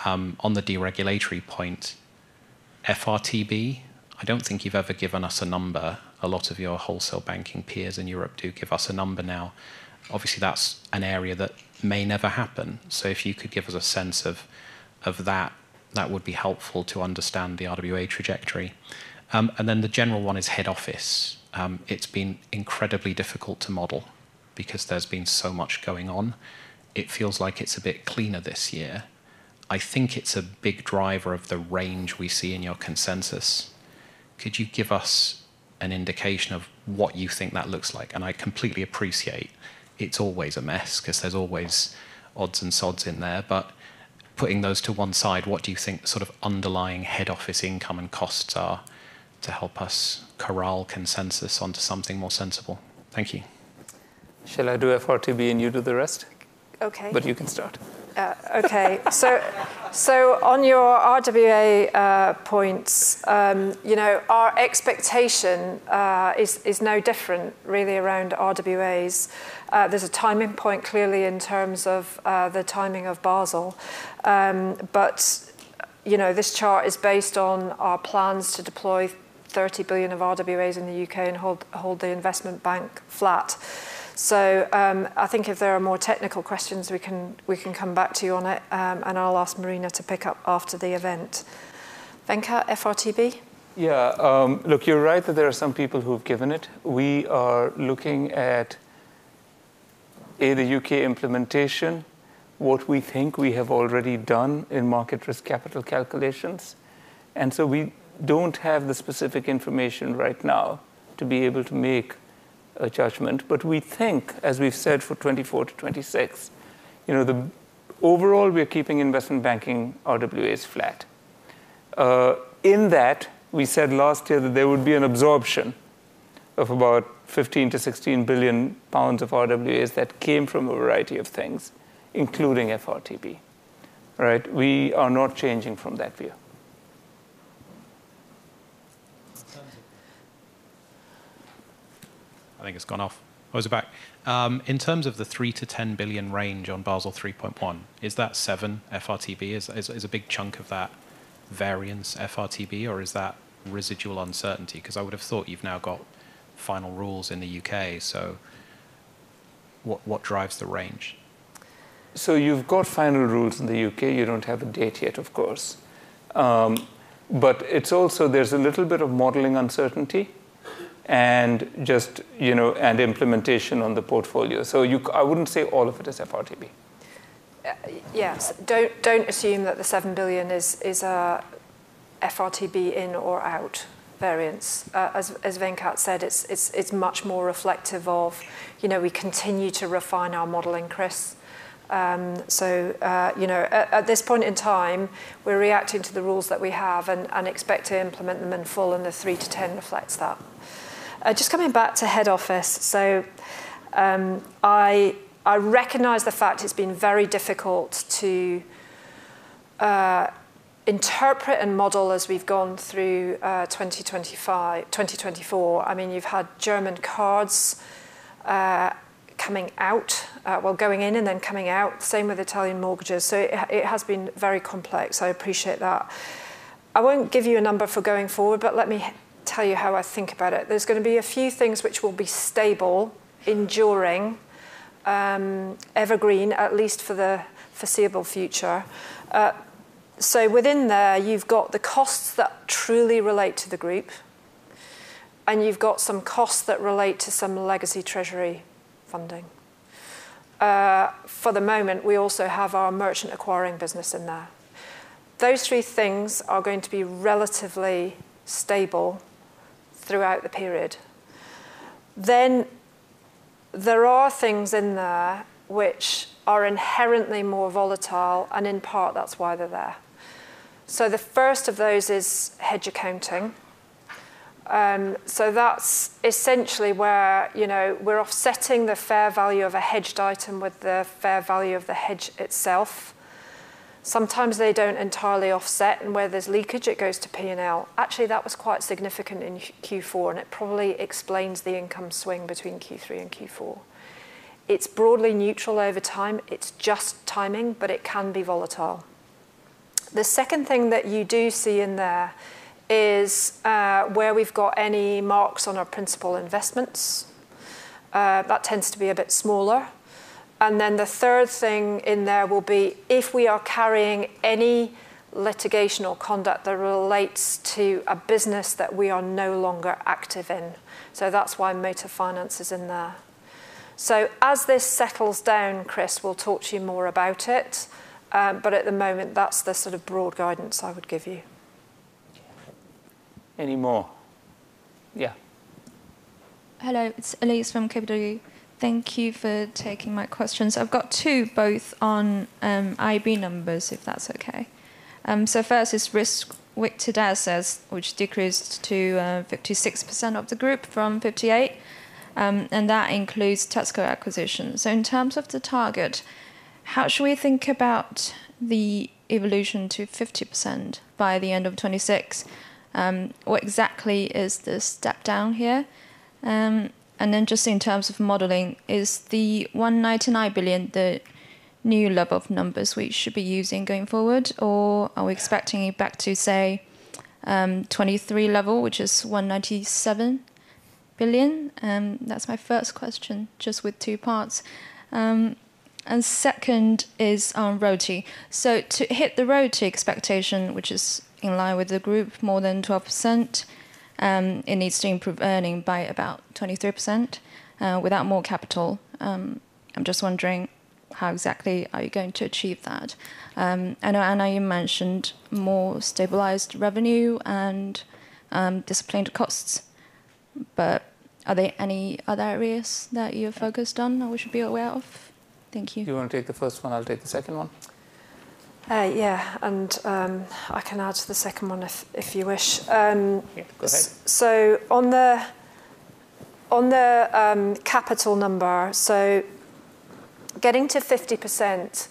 on the deregulatory point, FRTB, I don't think you've ever given us a number. A lot of your wholesale banking peers in Europe do give us a number now. Obviously, that's an area that may never happen. So if you could give us a sense of that, that would be helpful to understand the RWA trajectory. And then the general one is head office. It's been incredibly difficult to model because there's been so much going on. It feels like it's a bit cleaner this year. I think it's a big driver of the range we see in your consensus. Could you give us an indication of what you think that looks like? And I completely appreciate it's always a mess because there's always odds and sods in there. But putting those to one side, what do you think sort of underlying head office income and costs are to help us corral consensus onto something more sensible? Thank you. Shall I do FRTB and you do the rest? Okay. But you can start. Okay. So on your RWA points, our expectation is no different, really, around RWAs. There's a timing point clearly in terms of the timing of Basel. But this chart is based on our plans to deploy 30 billion of RWAs in the UK and hold the Investment Bank flat. So I think if there are more technical questions, we can come back to you on it, and I'll ask Marina to pick up after the event. Venkat, FRTB? Yeah. Look, you're right that there are some people who have given it. We are looking at, A, the UK implementation, what we think we have already done in market risk capital calculations. And so we don't have the specific information right now to be able to make a judgment. But we think, as we've said, for 2024 to 2026, overall, we're keeping Investment Banking RWAs flat. In that, we said last year that there would be an absorption of about 15-16 billion pounds of RWAs that came from a variety of things, including FRTB. Right? We are not changing from that view. I think it's gone off. I was back. In terms of the 3-10 billion range on Basel 3.1, is that 7 FRTB? Is a big chunk of that variance FRTB, or is that residual uncertainty? Because I would have thought you've now got final rules in the U.K. So what drives the range? So you've got final rules in the U.K. You don't have a date yet, of course. But there's a little bit of modeling uncertainty and implementation on the portfolio. So I wouldn't say all of it is FRTB. Yeah. Don't assume that the 7 billion is FRTB in or out variance. As Venkat said, it's much more reflective of we continue to refine our modeling, Chris, so at this point in time, we're reacting to the rules that we have and expect to implement them in full, and the 3-10 reflects that. Just coming back to head office, so I recognize the fact it's been very difficult to interpret and model as we've gone through 2024. I mean, you've had German cards coming out, well, going in and then coming out, same with Italian mortgages, so it has been very complex. I appreciate that. I won't give you a number for going forward, but let me tell you how I think about it. There's going to be a few things which will be stable, enduring, evergreen, at least for the foreseeable future. So within there, you've got the costs that truly relate to the group, and you've got some costs that relate to some legacy Treasury funding. For the moment, we also have our merchant acquiring business in there. Those three things are going to be relatively stable throughout the period. Then there are things in there which are inherently more volatile, and in part, that's why they're there. So the first of those is hedge accounting. So that's essentially where we're offsetting the fair value of a hedged item with the fair value of the hedge itself. Sometimes they don't entirely offset, and where there's leakage, it goes to P&L. Actually, that was quite significant in Q4, and it probably explains the income swing between Q3 and Q4. It's broadly neutral over time. It's just timing, but it can be volatile. The second thing that you do see in there is where we've got any marks on our principal investments. That tends to be a bit smaller. And then the third thing in there will be if we are carrying any litigation or conduct that relates to a business that we are no longer active in. So that's why motor finance is in there. So as this settles down, Chris, we'll talk to you more about it. But at the moment, that's the sort of broad guidance I would give you. Any more? Yeah. Hello. It's Elise from KBW. Thank you for taking my questions. I've got two, both on IB numbers, if that's okay. So first is risk, which the RWA says, which decreased to 56% of the group from 58%. And that includes Tesco acquisition. So in terms of the target, how should we think about the evolution to 50% by the end of 2026? What exactly is the step down here? And then just in terms of modeling, is the 199 billion the new level of numbers we should be using going forward, or are we expecting it back to, say, 2023 level, which is 197 billion? That's my first question, just with two parts. And second is on RoTE. So to hit the RoTE expectation, which is in line with the group, more than 12%, it needs to improve earnings by about 23% without more capital. I'm just wondering how exactly are you going to achieve that? I know, Anna, you mentioned more stabilized revenue and disciplined costs, but are there any other areas that you're focused on or we should be aware of? Thank you. Do you want to take the first one? I'll take the second one. Yeah. And I can add to the second one if you wish. Go ahead. So on the capital number, so getting to 50%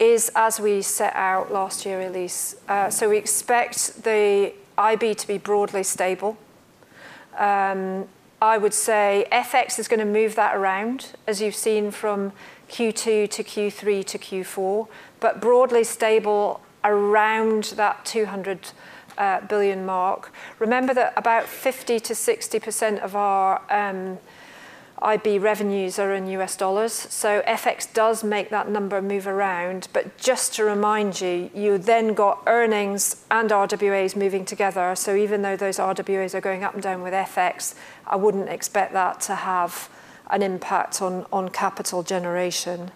is as we set out last year, Elise. So we expect the IB to be broadly stable. I would say FX is going to move that around, as you've seen from Q2 to Q3 to Q4, but broadly stable around that 200 billion mark. Remember that about 50%-60% of our IB revenues are in US dollars. So FX does make that number move around. But just to remind you, you then got earnings and RWAs moving together. So even though those RWAs are going up and down with FX, I wouldn't expect that to have an impact on capital generation.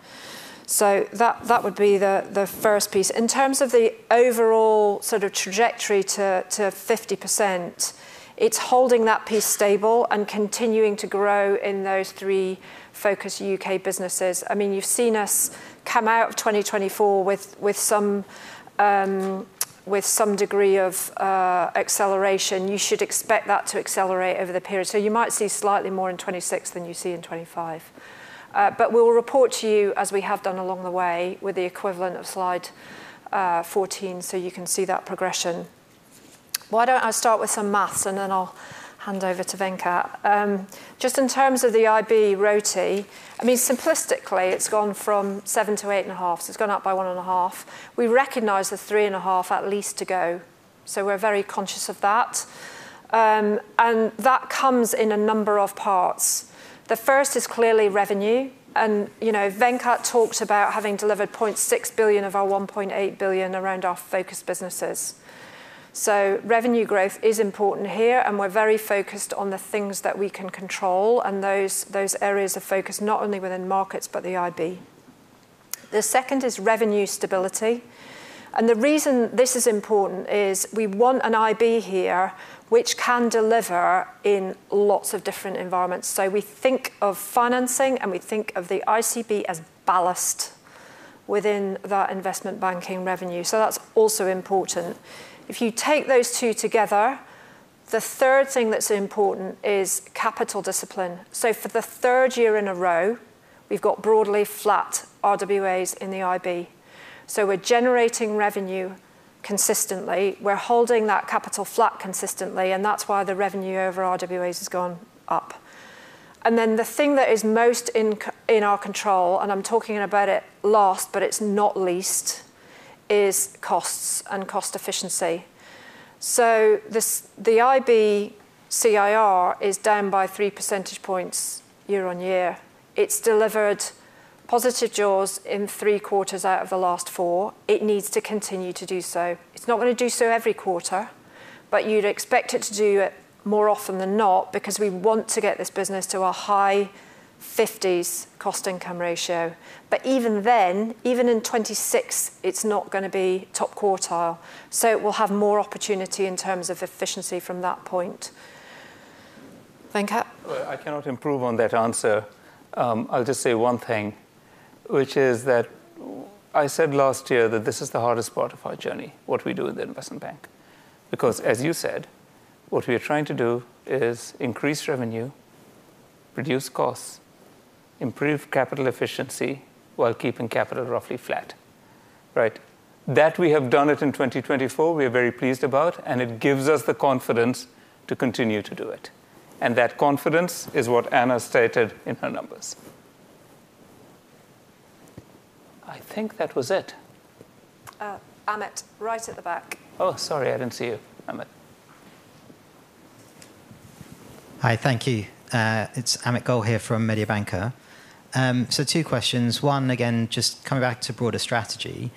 So that would be the first piece. In terms of the overall sort of trajectory to 50%, it's holding that piece stable and continuing to grow in those three focus UK businesses. I mean, you've seen us come out of 2024 with some degree of acceleration. You should expect that to accelerate over the period. So you might see slightly more in 2026 than you see in 2025. But we'll report to you as we have done along the way with the equivalent of slide 14 so you can see that progression. Why don't I start with some math, and then I'll hand over to Venkat. Just in terms of the IB RoTE, I mean, simplistically, it's gone from 7% to 8.5%. So it's gone up by 1.5%. We recognize the 3.5% at least to go. So we're very conscious of that. That comes in a number of parts. The first is clearly revenue. Venkat talked about having delivered 0.6 billion of our 1.8 billion around our focus businesses. Revenue growth is important here, and we're very focused on the things that we can control and those areas of focus, not only within markets, but the IB. The second is revenue stability. The reason this is important is we want an IB here which can deliver in lots of different environments. We think of financing, and we think of the CB as ballast within that Investment Banking revenue. That's also important. If you take those two together, the third thing that's important is capital discipline. For the third year in a row, we've got broadly flat RWAs in the IB. We're generating revenue consistently. We're holding that capital flat consistently, and that's why the revenue over RWAs has gone up. And then the thing that is most in our control, and I'm talking about it last, but it's not least, is costs and cost efficiency. So the IB CIR is down by 3 percentage points year-on-year. It's delivered positive jaws in three quarters out of the last four. It needs to continue to do so. It's not going to do so every quarter, but you'd expect it to do it more often than not because we want to get this business to a high 50s cost income ratio. But even then, even in 2026, it's not going to be top quartile. So it will have more opportunity in terms of efficiency from that point. Venkat? I cannot improve on that answer. I'll just say one thing, which is that I said last year that this is the hardest part of our journey, what we do in the Investment Bank. Because, as you said, what we are trying to do is increase revenue, reduce costs, improve capital efficiency while keeping capital roughly flat. Right? That we have done it in 2024, we are very pleased about, and it gives us the confidence to continue to do it. That confidence is what Anna stated in her numbers. I think that was it. Amit, right at the back. Oh, sorry, I didn't see you. Amit. Hi, thank you. It's Amit Goel here from Mediobanca. So two questions. One, again, just coming back to broader strategy.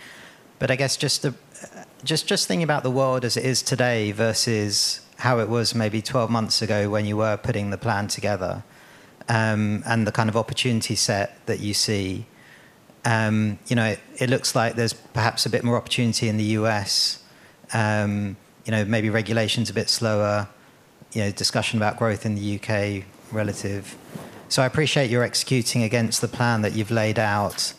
But I guess just thinking about the world as it is today versus how it was maybe 12 months ago when you were putting the plan together and the kind of opportunity set that you see. It looks like there's perhaps a bit more opportunity in the U.S., maybe regulations a bit slower, discussion about growth in the U.K. relative. So I appreciate your executing against the plan that you've laid out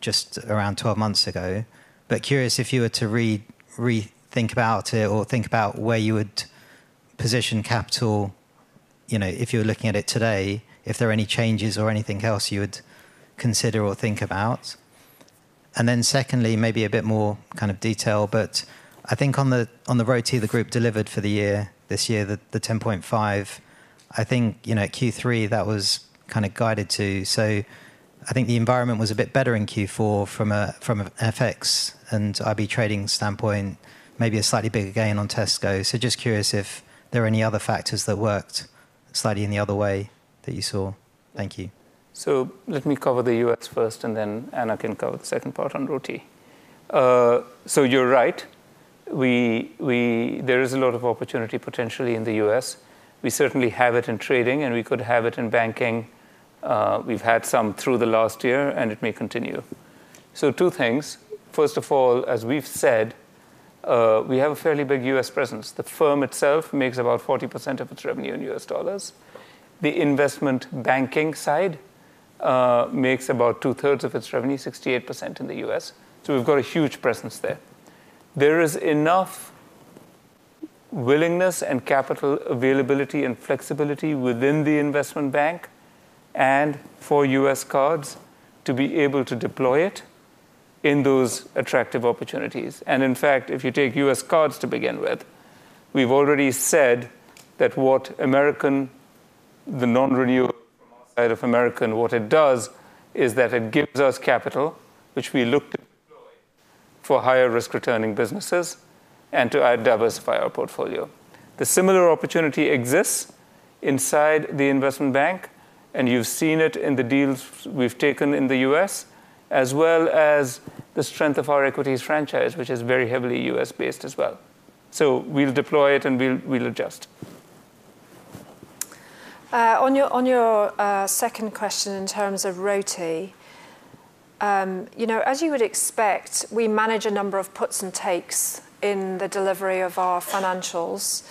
just around 12 months ago. But curious if you were to rethink about it or think about where you would position capital if you were looking at it today, if there are any changes or anything else you would consider or think about. And then secondly, maybe a bit more kind of detail, but I think on the RoTE the group delivered for the year this year, the 10.5%, I think Q3 that was kind of guided to. I think the environment was a bit better in Q4 from an FX and IB trading standpoint, maybe a slightly bigger gain on Tesco. So just curious if there are any other factors that worked slightly in the other way that you saw. Thank you. Let me cover the U.S. first, and then Anna can cover the second part on RoTE. You're right. There is a lot of opportunity potentially in the U.S. We certainly have it in trading, and we could have it in banking. We've had some through the last year, and it may continue. Two things. First of all, as we've said, we have a fairly big U.S. presence. The firm itself makes about 40% of its revenue in U.S. dollars. The Investment Banking side makes about two-thirds of its revenue, 68% in the U.S. We've got a huge presence there. There is enough willingness and capital availability and flexibility within the Investment Bank and for U.S. cards to be able to deploy it in those attractive opportunities. And in fact, if you take U.S. cards to begin with, we've already said that what American, the non-renewal from outside of American, what it does is that it gives us capital, which we look to deploy for higher risk-returning businesses and to add diversify our portfolio. A similar opportunity exists inside the Investment Bank, and you've seen it in the deals we've taken in the U.S., as well as the strength of our equities franchise, which is very heavily U.S.-based as well. So we'll deploy it, and we'll adjust. On your second question in terms of RoTE, as you would expect, we manage a number of puts and takes in the delivery of our financials.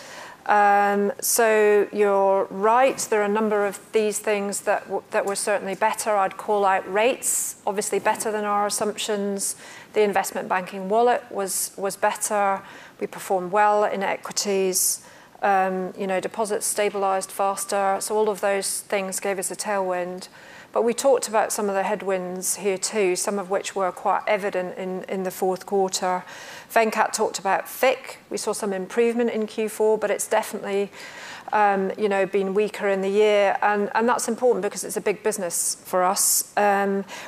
So you're right. There are a number of these things that were certainly better. I'd call out rates, obviously better than our assumptions. The Investment Banking wallet was better. We performed well in equities. Deposits stabilized faster. So all of those things gave us a tailwind. But we talked about some of the headwinds here too, some of which were quite evident in the fourth quarter. Venkat talked about FICC. We saw some improvement in Q4, but it's definitely been weaker in the year. And that's important because it's a big business for us.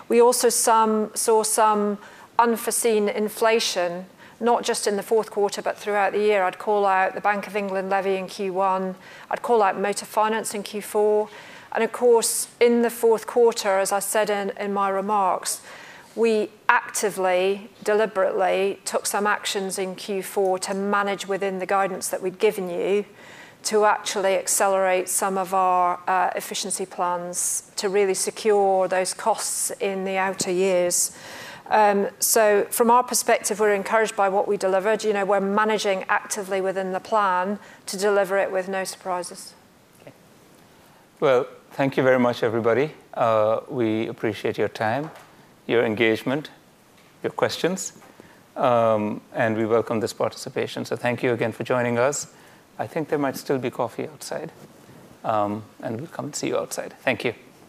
We also saw some unforeseen inflation, not just in the fourth quarter, but throughout the year. I'd call out the Bank of England levy in Q1. I'd call out motor finance in Q4. Of course, in the fourth quarter, as I said in my remarks, we actively, deliberately took some actions in Q4 to manage within the guidance that we'd given you to actually accelerate some of our efficiency plans to really secure those costs in the outer years. From our perspective, we're encouraged by what we delivered. We're managing actively within the plan to deliver it with no surprises. Thank you very much, everybody. We appreciate your time, your engagement, your questions, and we welcome this participation. Thank you again for joining us. I think there might still be coffee outside, and we'll come and see you outside. Thank you.